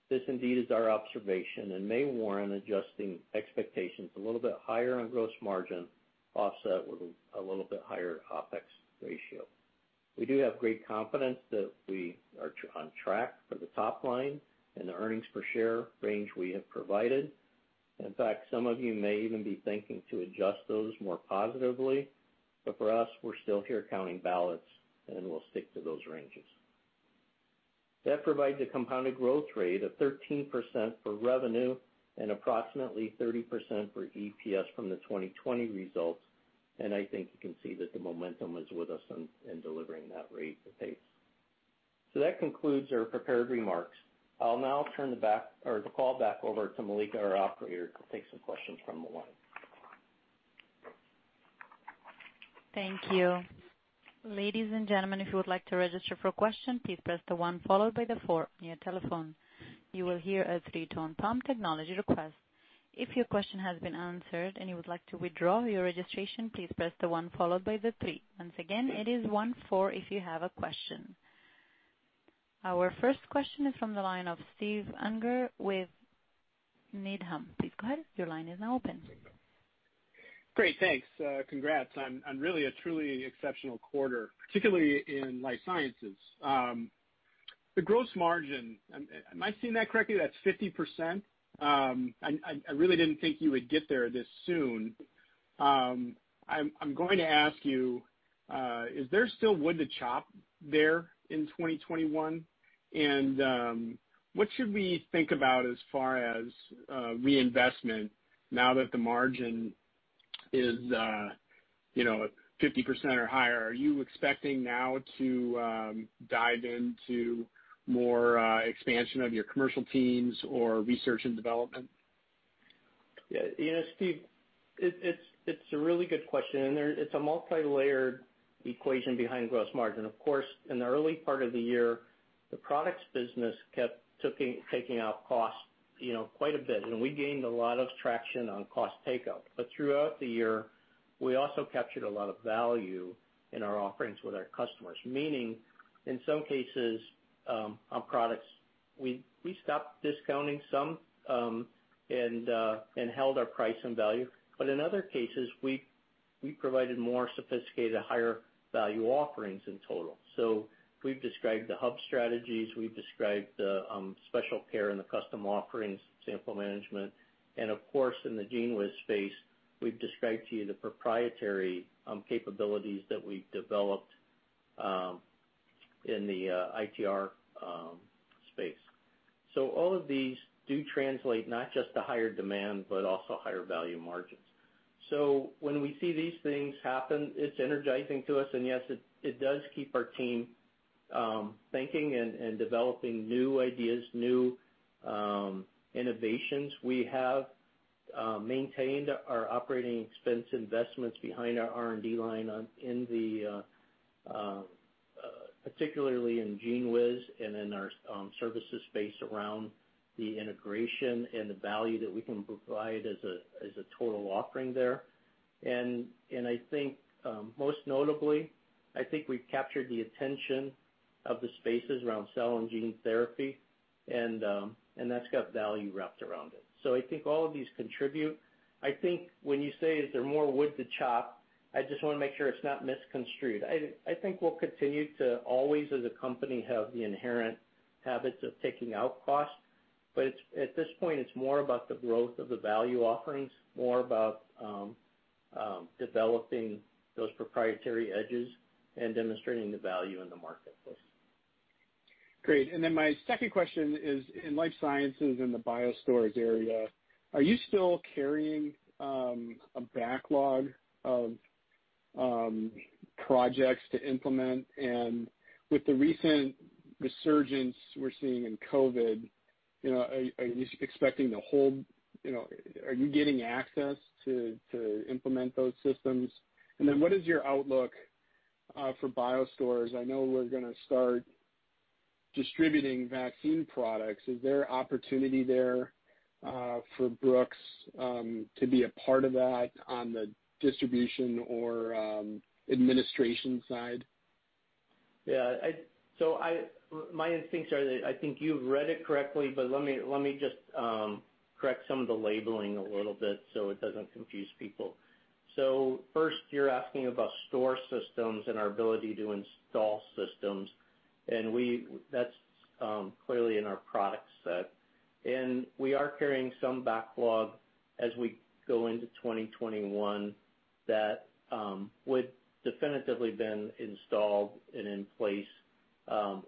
This indeed is our observation and may warrant adjusting expectations a little bit higher on gross margin, offset with a little bit higher OPEX ratio. We do have great confidence that we are on track for the top line and the earnings per share range we have provided. In fact, some of you may even be thinking to adjust those more positively. For us, we're still here counting ballots, and we'll stick to those ranges. That provides a compounded growth rate of 13% for revenue and approximately 30% for EPS from the 2020 results. I think you can see that the momentum is with us in delivering that rate of pace. That concludes our prepared remarks. I'll now turn the call back over to Malika, our operator, to take some questions from the line. Thank you. Ladies and gentlemen, if you would like to register for a question, please press the one followed by the four on your telephone. You will hear a three-tone prompt acknowledge your request. If your question has been answered and you would like to withdraw your registration, please press the one followed by the three. Once again, it is one-four if you have a question. Our first question is from the line of Steve Unger with Needham. Please go ahead. Your line is now open. Great, thanks. Congrats on really a truly exceptional quarter, particularly in Life Sciences. The gross margin, am I seeing that correctly? That's 50%? I really didn't think you would get there this soon. I'm going to ask you, is there still wood to chop there in 2021? What should we think about as far as reinvestment now that the margin is 50% or higher? Are you expecting now to dive into more expansion of your commercial teams or research and development? Steve, it's a really good question, and it's a multilayered equation behind gross margin. Of course, in the early part of the year, the products business kept taking out costs quite a bit, and we gained a lot of traction on cost take-out. Throughout the year, we also captured a lot of value in our offerings with our customers, meaning, in some cases, our products, we stopped discounting some and held our price and value. In other cases, we provided more sophisticated, higher value offerings in total. We've described the hub strategies, we've described the special care and the custom offerings, sample management. Of course, in the GENEWIZ space, we've described to you the proprietary capabilities that we've developed in the ITR space. All of these do translate not just to higher demand, but also higher value margins. When we see these things happen, it's energizing to us, and yes, it does keep our team thinking and developing new ideas, new innovations. We have maintained our OPEX investments behind our R&D line, particularly in GENEWIZ and in our services space around the integration and the value that we can provide as a total offering there. I think, most notably, I think we've captured the attention of the spaces around cell and gene therapy, and that's got value wrapped around it. I think all of these contribute. I think when you say, "Is there more wood to chop?" I just want to make sure it's not misconstrued. I think we'll continue to, always as a company, have the inherent habits of taking out cost. At this point, it's more about the growth of the value offerings, more about developing those proprietary edges, and demonstrating the value in the marketplace. Great. My second question is in Life Sciences, in the BioStorage area, are you still carrying a backlog of projects to implement? With the recent resurgence we're seeing in COVID, are you getting access to implement those systems? What is your outlook for BioStorage? I know we're going to start distributing vaccine products. Is there opportunity there for Brooks to be a part of that on the distribution or administration side? My instincts are that I think you've read it correctly, but let me just correct some of the labeling a little bit so it doesn't confuse people. First, you're asking about store systems and our ability to install systems, and that's clearly in our product set. We are carrying some backlog as we go into 2021, that would definitively been installed and in place,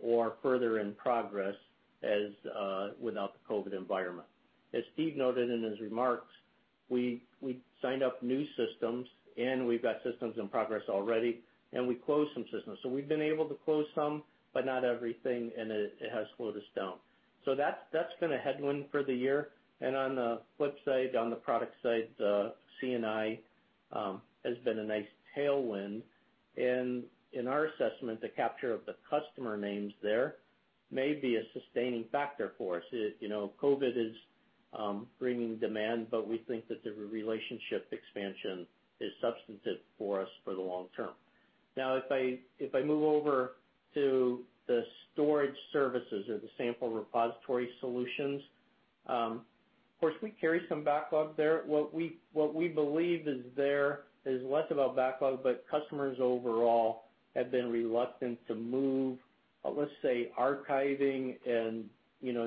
or further in progress as without the COVID environment. As Steve noted in his remarks, we signed up new systems, and we've got systems in progress already, and we closed some systems. We've been able to close some, but not everything, and it has slowed us down. That's been a headwind for the year. On the flip side, on the product side, C&I has been a nice tailwind. In our assessment, the capture of the customer names there may be a sustaining factor for us. COVID is bringing demand, but we think that the relationship expansion is substantive for us for the long term. If I move over to the storage services or the sample repository solutions, of course, we carry some backlog there. What we believe is there is less about backlog, but customers overall have been reluctant to move, let's say, archiving and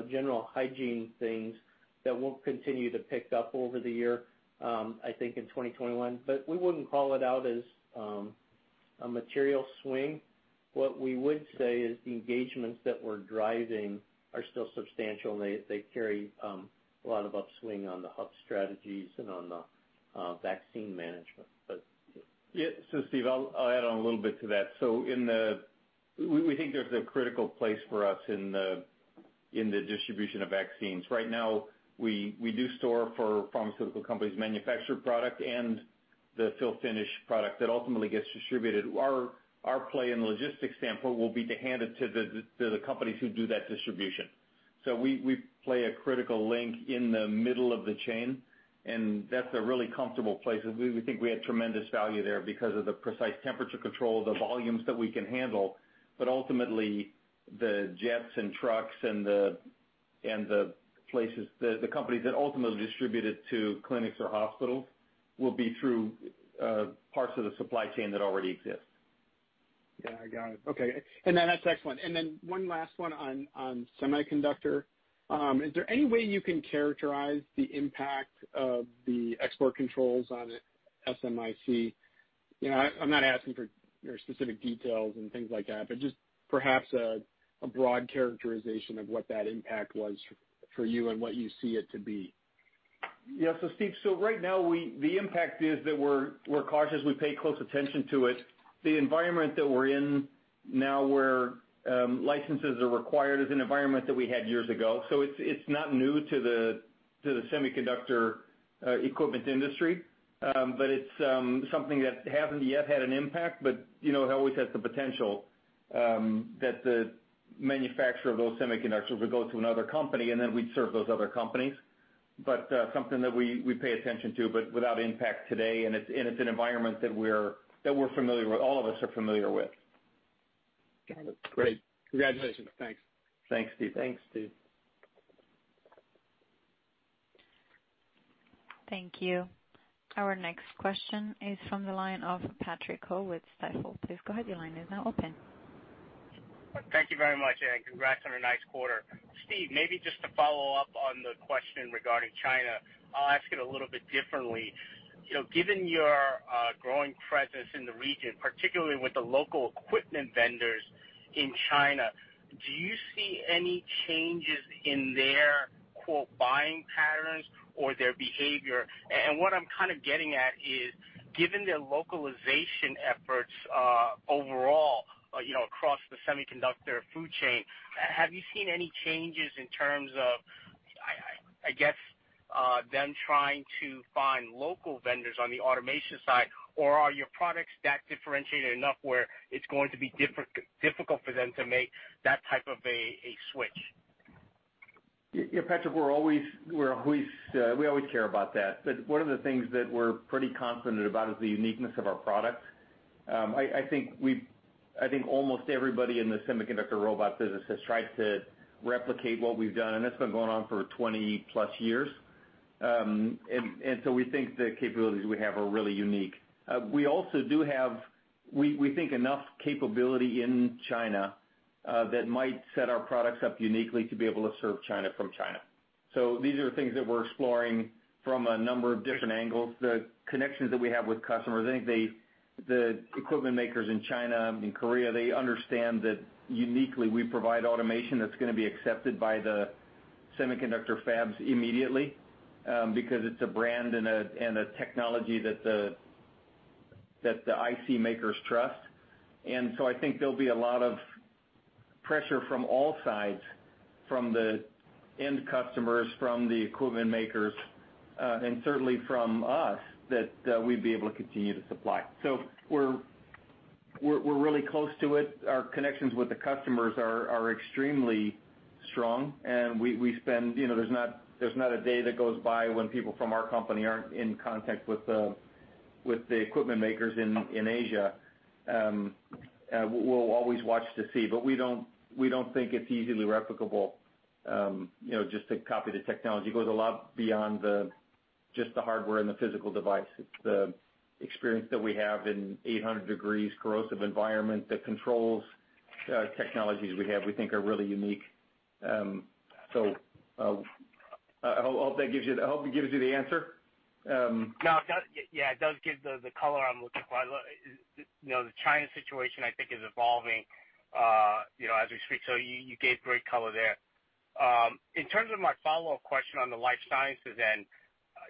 general hygiene things that will continue to pick up over the year, I think, in 2021. We wouldn't call it out as a material swing. What we would say is the engagements that we're driving are still substantial, and they carry a lot of upswing on the hub strategies and on the vaccine management. Yeah. Steve, I'll add on a little bit to that. We think there's a critical place for us in the distribution of vaccines. Right now, we do store for pharmaceutical companies' manufactured product and the fill-finish product that ultimately gets distributed. Our play in the logistics sample will be to hand it to the companies who do that distribution. We play a critical link in the middle of the chain, and that's a really comfortable place. We think we add tremendous value there because of the precise temperature control, the volumes that we can handle. Ultimately, the jets and trucks and the companies that ultimately distribute it to clinics or hospitals will be through parts of the supply chain that already exist. Yeah, I got it. Okay. One last one on semiconductor. Is there any way you can characterize the impact of the export controls on SMIC? I'm not asking for specific details and things like that, but just perhaps a broad characterization of what that impact was for you and what you see it to be. Steve, right now, the impact is that we're cautious. We pay close attention to it. The environment that we're in now where licenses are required is an environment that we had years ago. It's not new to the semiconductor equipment industry. It's something that hasn't yet had an impact, but it always has the potential that the manufacturer of those semiconductors would go to another company, we'd serve those other companies. Something that we pay attention to, but without impact today, it's an environment that we're familiar with, all of us are familiar with. Got it. Great. Congratulations. Thanks. Thanks, Steve. Thanks, Steve. Thank you. Our next question is from the line of Patrick Ho with Stifel. Please go ahead, your line is now open. Thank you very much. Congrats on a nice quarter. Steve, maybe just to follow up on the question regarding China, I'll ask it a little bit differently. Given your growing presence in the region, particularly with the local equipment vendors in China, do you see any changes in their "buying patterns" or their behavior? What I'm kind of getting at is, given their localization efforts overall across the semiconductor food chain, have you seen any changes in terms of, I guess, them trying to find local vendors on the automation side, or are your products that differentiated enough where it's going to be difficult for them to make that type of a switch? Yeah, Patrick, we always care about that. One of the things that we're pretty confident about is the uniqueness of our products. I think almost everybody in the semiconductor robot business has tried to replicate what we've done, and that's been going on for 20+ years. We think the capabilities we have are really unique. We also do have, we think, enough capability in China that might set our products up uniquely to be able to serve China from China. These are things that we're exploring from a number of different angles. The connections that we have with customers, I think the equipment makers in China and Korea, they understand that uniquely we provide automation that's going to be accepted by the semiconductor fabs immediately. It's a brand and a technology that the IC makers trust. I think there'll be a lot of pressure from all sides, from the end customers, from the equipment makers, and certainly from us that we'd be able to continue to supply. We're really close to it. Our connections with the customers are extremely strong, and there's not a day that goes by when people from our company aren't in contact with the equipment makers in Asia. We'll always watch to see, but we don't think it's easily replicable just to copy the technology. It goes a lot beyond just the hardware and the physical device. It's the experience that we have in 800 degrees corrosive environment. The controls technologies we have we think are really unique. I hope it gives you the answer. No, it does. Yeah, it does give the color I'm looking for. The China situation, I think, is evolving as we speak. You gave great color there. In terms of my follow-up question on the Life Sciences end,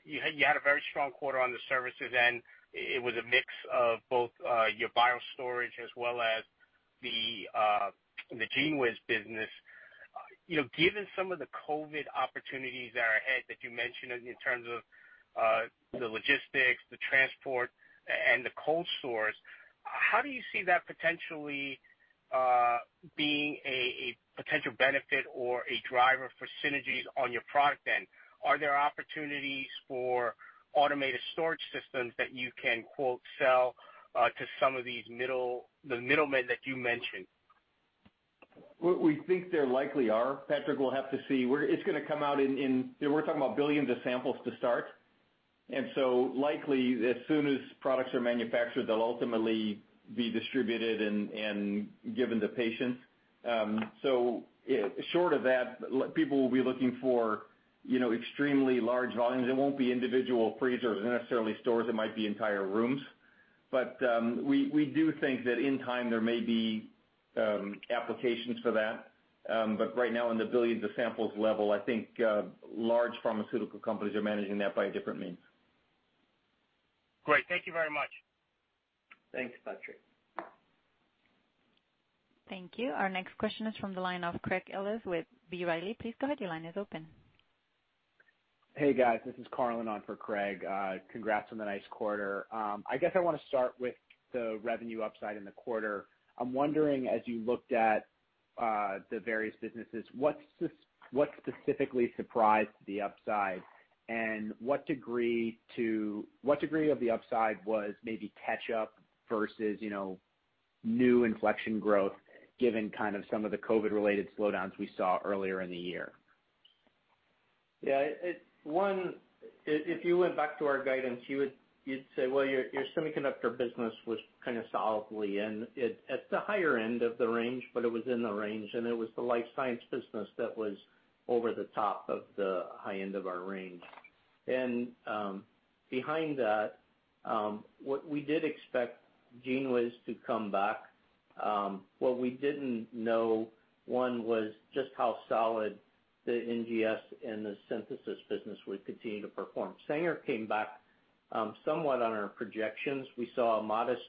you had a very strong quarter on the services end. It was a mix of both your BioStorage as well as the GENEWIZ business. Given some of the COVID opportunities that are ahead that you mentioned in terms of the logistics, the transport, and the cold storage, how do you see that potentially being a potential benefit or a driver for synergies on your product end? Are there opportunities for automated storage systems that you can, quote, "sell" to some of the middlemen that you mentioned? We think there likely are, Patrick. We're talking about billions of samples to start, likely, as soon as products are manufactured, they'll ultimately be distributed and given to patients. Short of that, people will be looking for extremely large volumes. It won't be individual freezers or necessarily stores. It might be entire rooms. We do think that in time, there may be applications for that. Right now, in the billions of samples level, I think large pharmaceutical companies are managing that by different means. Great. Thank you very much. Thanks, Patrick. Thank you. Our next question is from the line of Craig Ellis with B. Riley. Please go ahead. Your line is open. Hey, guys. This is Carl in on for Craig. Congrats on the nice quarter. I guess I want to start with the revenue upside in the quarter. I'm wondering, as you looked at the various businesses, what specifically surprised the upside, and what degree of the upside was maybe catch-up versus new inflection growth, given kind of some of the COVID related slowdowns we saw earlier in the year? One, if you went back to our guidance, you'd say, well, your semiconductor business was kind of solidly in at the higher end of the range, but it was in the range, and it was the Life Sciences business that was over the top of the high end of our range. Behind that, what we did expect GENEWIZ to come back. What we didn't know, one, was just how solid the NGS and the synthesis business would continue to perform. Sanger came back somewhat on our projections. We saw a modest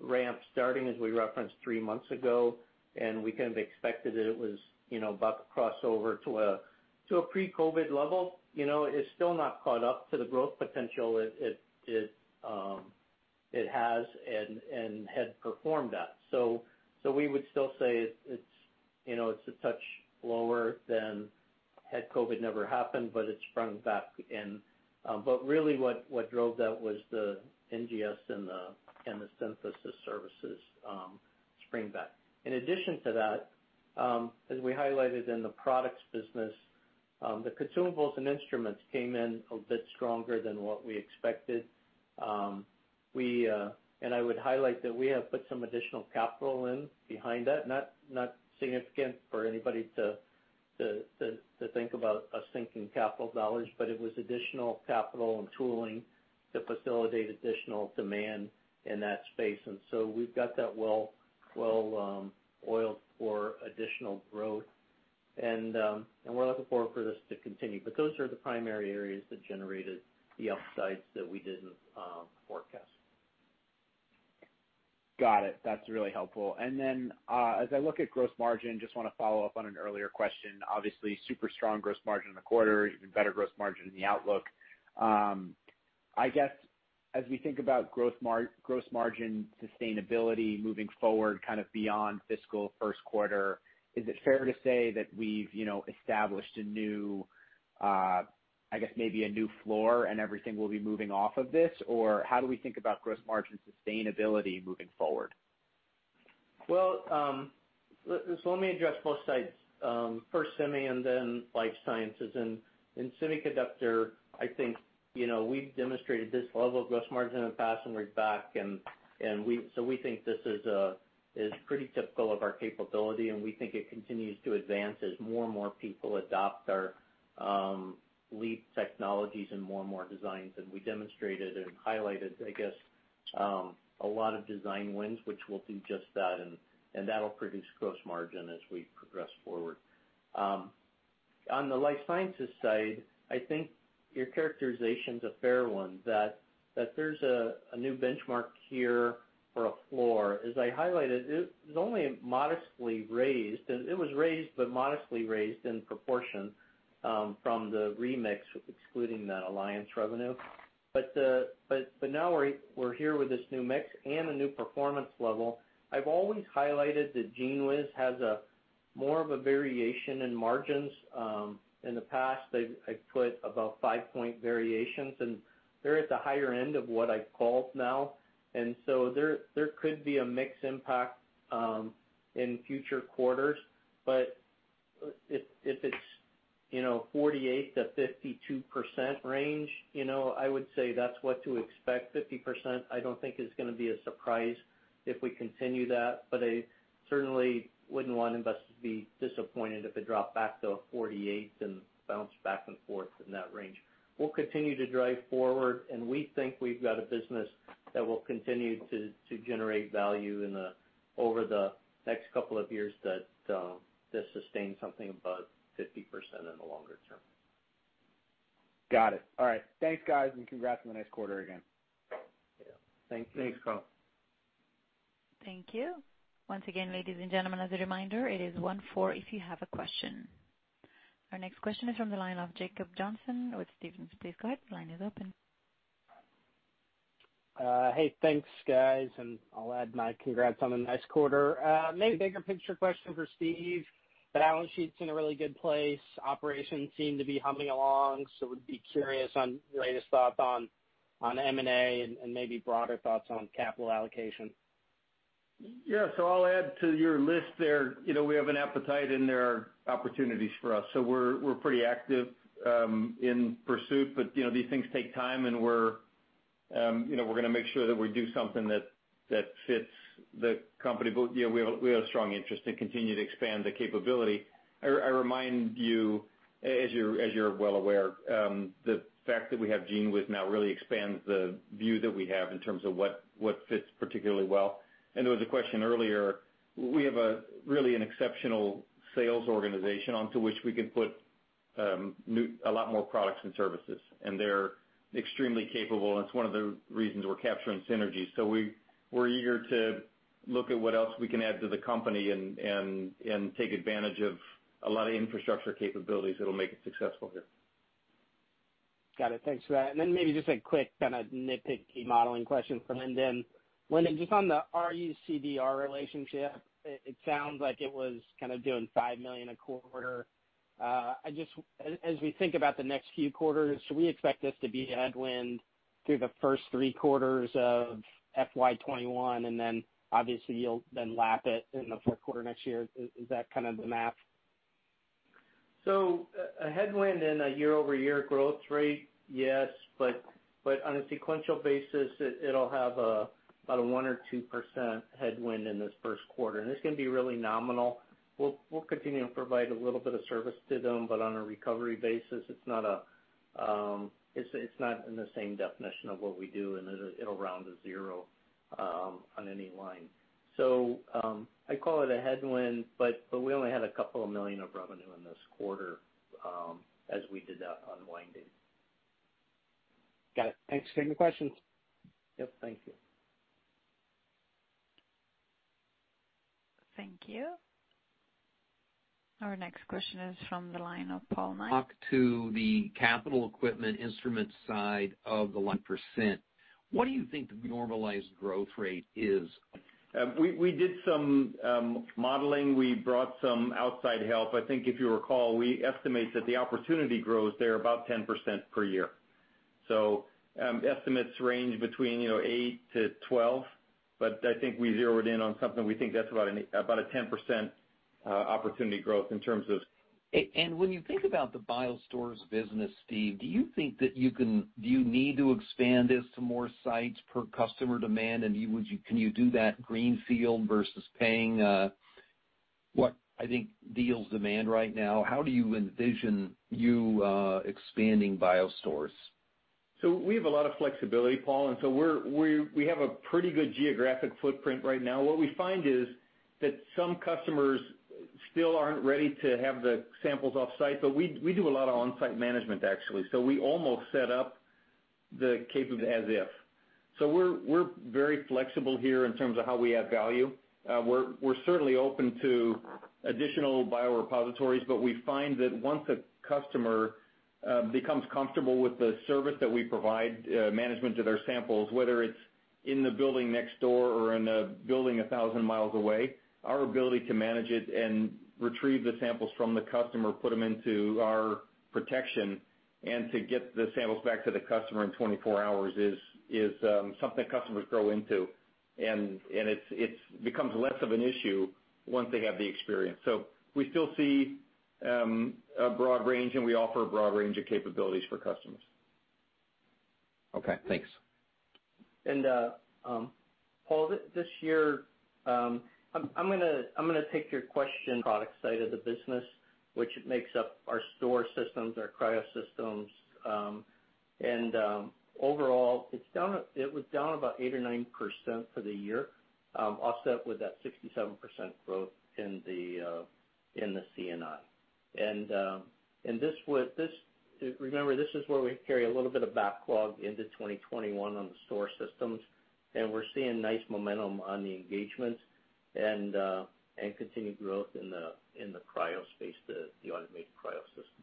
ramp starting, as we referenced three months ago, and we kind of expected that it was about to cross over to a pre-COVID level. It's still not caught up to the growth potential it has and had performed at. We would still say it's a touch lower than had COVID never happened, but it sprung back. Really what drove that was the NGS and the synthesis services springback. In addition to that, as we highlighted in the products business, the consumables and instruments came in a bit stronger than what we expected. I would highlight that we have put some additional capital in behind that. Not significant for anybody to think about us sinking capital dollars, but it was additional capital and tooling to facilitate additional demand in that space. So we've got that well oiled for additional growth, and we're looking forward for this to continue. Those are the primary areas that generated the upsides that we didn't forecast. Got it. That's really helpful. As I look at gross margin, just want to follow up on an earlier question. Obviously, super strong gross margin in the quarter, even better gross margin in the outlook. As we think about gross margin sustainability moving forward kind of beyond fiscal first quarter, is it fair to say that we've established maybe a new floor, and everything will be moving off of this? How do we think about gross margin sustainability moving forward? Let me address both sides. First semi and then Life Sciences. In semiconductor, I think we've demonstrated this level of gross margin in the past, we're back, we think this is pretty typical of our capability, and we think it continues to advance as more and more people adopt our lead technologies in more and more designs. We demonstrated and highlighted, I guess, a lot of design wins, which will do just that, and that'll produce gross margin as we progress forward. On the Life Sciences side, I think your characterization's a fair one, that there's a new benchmark here for a floor. As I highlighted, it was only modestly raised. It was raised, modestly raised in proportion from the remix, excluding that alliance revenue. Now we're here with this new mix and a new performance level. I've always highlighted that GENEWIZ has more of a variation in margins. In the past, I've put about five point variations, they're at the higher end of what I've called now, there could be a mix impact in future quarters. If it's 48%-52% range, I would say that's what to expect. 50%, I don't think is going to be a surprise if we continue that, but I certainly wouldn't want investors to be disappointed if it dropped back to a 48% and bounced back and forth in that range. We'll continue to drive forward and we think we've got a business that will continue to generate value over the next couple of years that sustains something above 50% in the longer term. Got it. All right. Thanks, guys, and congrats on the nice quarter again. Thanks, Carl. Thank you. Once again, ladies and gentlemen, as a reminder, it is one, four if you have a question. Our next question is from the line of Jacob Johnson with Stephens. Please go ahead. The line is open. Thanks, guys. I'll add my congrats on a nice quarter. Maybe a bigger picture question for Steve. The balance sheet's in a really good place. Operations seem to be humming along. Would be curious on your latest thoughts on M&A and maybe broader thoughts on capital allocation? Yeah. I'll add to your list there. We have an appetite and there are opportunities for us. We're pretty active in pursuit, but these things take time and we're going to make sure that we do something that fits the company. We have a strong interest to continue to expand the capability. I remind you, as you're well aware, the fact that we have GENEWIZ now really expands the view that we have in terms of what fits particularly well. There was a question earlier, we have really an exceptional sales organization onto which we can put a lot more products and services. They're extremely capable, and it's one of the reasons we're capturing synergies. We're eager to look at what else we can add to the company and take advantage of a lot of infrastructure capabilities that'll make it successful here. Got it. Thanks for that. Maybe just a quick nitpicky modeling question for Lindon. Lindon, just on the RUCDR relationship, it sounds like it was doing $5 million a quarter. As we think about the next few quarters, should we expect this to be a headwind through the first three quarters of FY 2021, and then obviously you'll then lap it in the fourth quarter next year. Is that the map? A headwind in a year-over-year growth rate, yes, but on a sequential basis, it'll have about a 1% or 2% headwind in this first quarter, and it's going to be really nominal. We'll continue to provide a little bit of service to them, but on a recovery basis, it's not in the same definition of what we do, and it'll round to zero on any line. I call it a headwind, but we only had a couple of million-dollars of revenue in this quarter as we did that unwinding. Got it. Thanks for taking the questions. Yep, thank you. Thank you. Our next question is from the line of Paul Knight. Talk to the capital equipment instrument side of the [Life Sciences]. What do you think the normalized growth rate is? We did some modeling. We brought some outside help. I think if you recall, we estimate that the opportunity growth there about 10% per year. Estimates range between 8-12, but I think we zeroed in on something we think that's about a 10% opportunity growth. When you think about the BioStore business, Steve, do you think that you need to expand this to more sites per customer demand? Can you do that greenfield versus paying what I think deals demand right now? How do you envision you expanding BioStore? We have a lot of flexibility, Paul, and so we have a pretty good geographic footprint right now. What we find is that some customers still aren't ready to have the samples off-site, but we do a lot of on-site management, actually. We almost set up the capability as if. We're very flexible here in terms of how we add value. We're certainly open to additional biorepositories, but we find that once a customer becomes comfortable with the service that we provide, management of their samples, whether it's in the building next door or in a building 1,000 mi away, our ability to manage it and retrieve the samples from the customer, put them into our protection, and to get the samples back to the customer in 24 hours is something that customers grow into. It becomes less of an issue once they have the experience. We still see a broad range, and we offer a broad range of capabilities for customers. Okay, thanks. Paul, this year, I'm going to take your question product side of the business, which makes up our store systems, our Cryo systems. Overall, it was down about 8% or 9% for the year, offset with that 67% growth in the C&I. Remember, this is where we carry a little bit of backlog into 2021 on the store systems, and we're seeing nice momentum on the engagements and continued growth in the Cryo space, the automated Cryo system.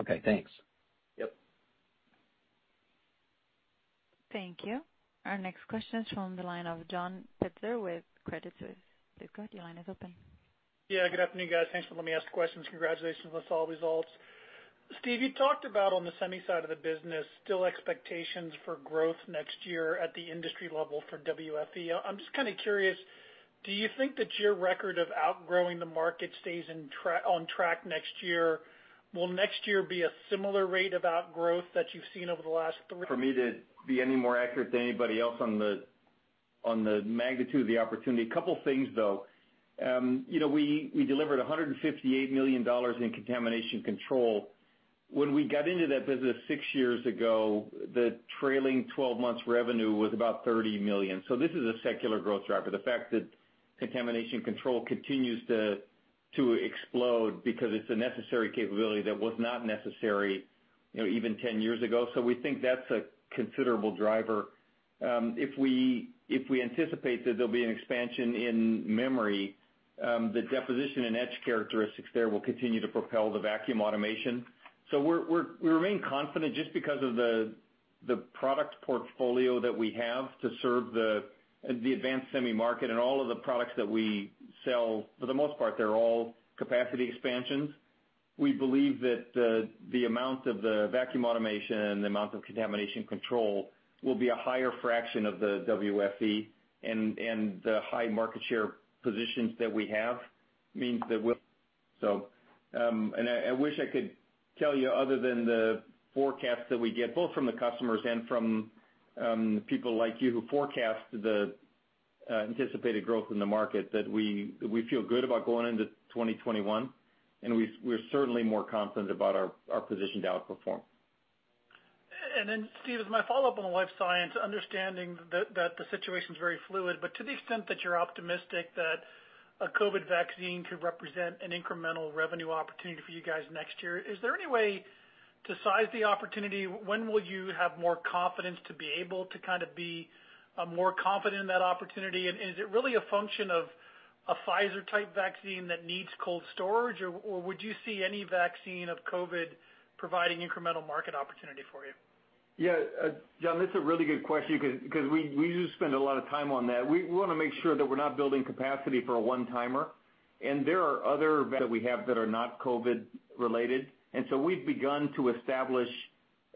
Okay, thanks. Yep. Thank you. Our next question is from the line of John Pitzer with Credit Suisse. Please go ahead. Your line is open. Yeah, good afternoon, guys. Thanks for letting me ask questions. Congratulations on the solid results. Steve, you talked about on the semi side of the business, still expectations for growth next year at the industry level for WFE. I'm just kind of curious, do you think that your record of outgrowing the market stays on track next year? Will next year be a similar rate of outgrowth that you've seen? For me to be any more accurate than anybody else on the magnitude of the opportunity. A couple things, though. We delivered $158 million in contamination control. When we got into that business six years ago, the trailing 12 months revenue was about $30 million. This is a secular growth driver. The fact that contamination control continues to explode because it's a necessary capability that was not necessary even 10 years ago. We think that's a considerable driver. If we anticipate that there'll be an expansion in memory, the deposition and etch characteristics there will continue to propel the vacuum automation. We remain confident just because of the product portfolio that we have to serve the advanced semi market and all of the products that we sell. For the most part, they're all capacity expansions. We believe that the amount of the vacuum automation and the amount of contamination control will be a higher fraction of the WFE. I wish I could tell you other than the forecasts that we get, both from the customers and from people like you who forecast the anticipated growth in the market, that we feel good about going into 2021, and we're certainly more confident about our position to outperform. Steve, as my follow-up on the Life Sciences, understanding that the situation's very fluid, but to the extent that you're optimistic that a COVID vaccine could represent an incremental revenue opportunity for you guys next year, is there any way to size the opportunity? When will you have more confidence to be able to kind of be more confident in that opportunity? Is it really a function of a Pfizer-type vaccine that needs cold storage, or would you see any vaccine of COVID providing incremental market opportunity for you? Yeah. John, that's a really good question because we do spend a lot of time on that. We want to make sure that we're not building capacity for a one-timer. There are others that we have that are not COVID-related, we've begun to establish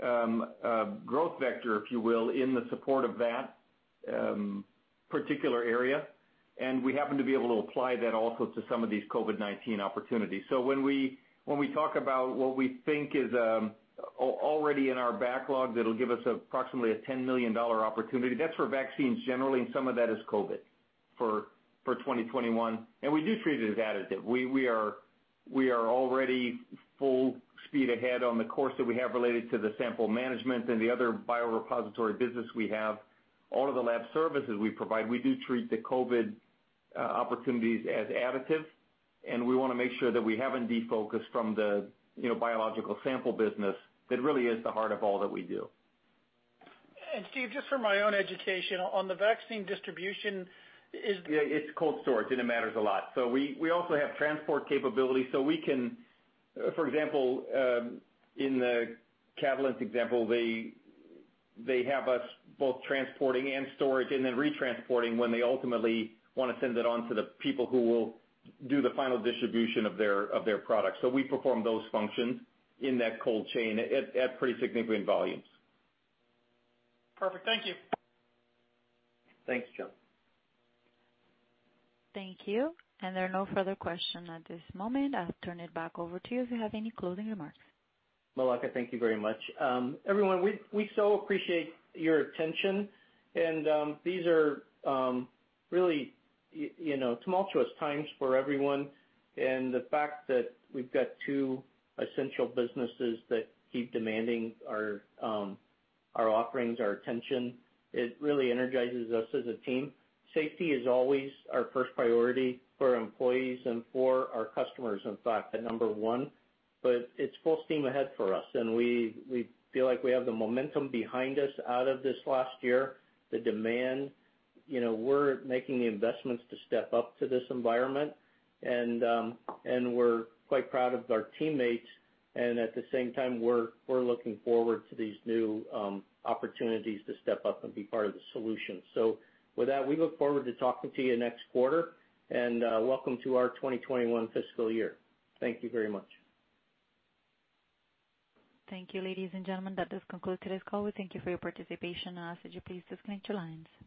a growth vector, if you will, in the support of that particular area. We happen to be able to apply that also to some of these COVID-19 opportunities. When we talk about what we think is already in our backlog, that'll give us approximately a $10 million opportunity. That's for vaccines generally, and some of that is COVID, for 2021. We do treat it as additive. We are already full speed ahead on the course that we have related to the sample management and the other biorepository business we have. All of the lab services we provide, we do treat the COVID opportunities as additive, and we want to make sure that we haven't defocused from the biological sample business that really is the heart of all that we do. Steve, just for my own education, on the vaccine distribution. Yeah, it's cold storage. It matters a lot. We also have transport capability, so we can, for example, in the Catalent example, they have us both transporting and storage, then retransporting when they ultimately want to send it on to the people who will do the final distribution of their products. We perform those functions in that cold chain at pretty significant volumes. Perfect. Thank you. Thanks, John. Thank you. There are no further question at this moment. I'll turn it back over to you if you have any closing remarks. Malika, thank you very much. Everyone, we so appreciate your attention. These are really tumultuous times for everyone. The fact that we've got two essential businesses that keep demanding our offerings, our attention, it really energizes us as a team. Safety is always our first priority for our employees and for our customers, in fact, at number one. It's full steam ahead for us. We feel like we have the momentum behind us out of this last year, the demand. We're making the investments to step up to this environment. We're quite proud of our teammates. At the same time, we're looking forward to these new opportunities to step up and be part of the solution. With that, we look forward to talking to you next quarter. Welcome to our 2021 fiscal year. Thank you very much. Thank you, ladies and gentlemen, that does conclude today's call. We thank you for your participation. I'll ask that you please disconnect your lines.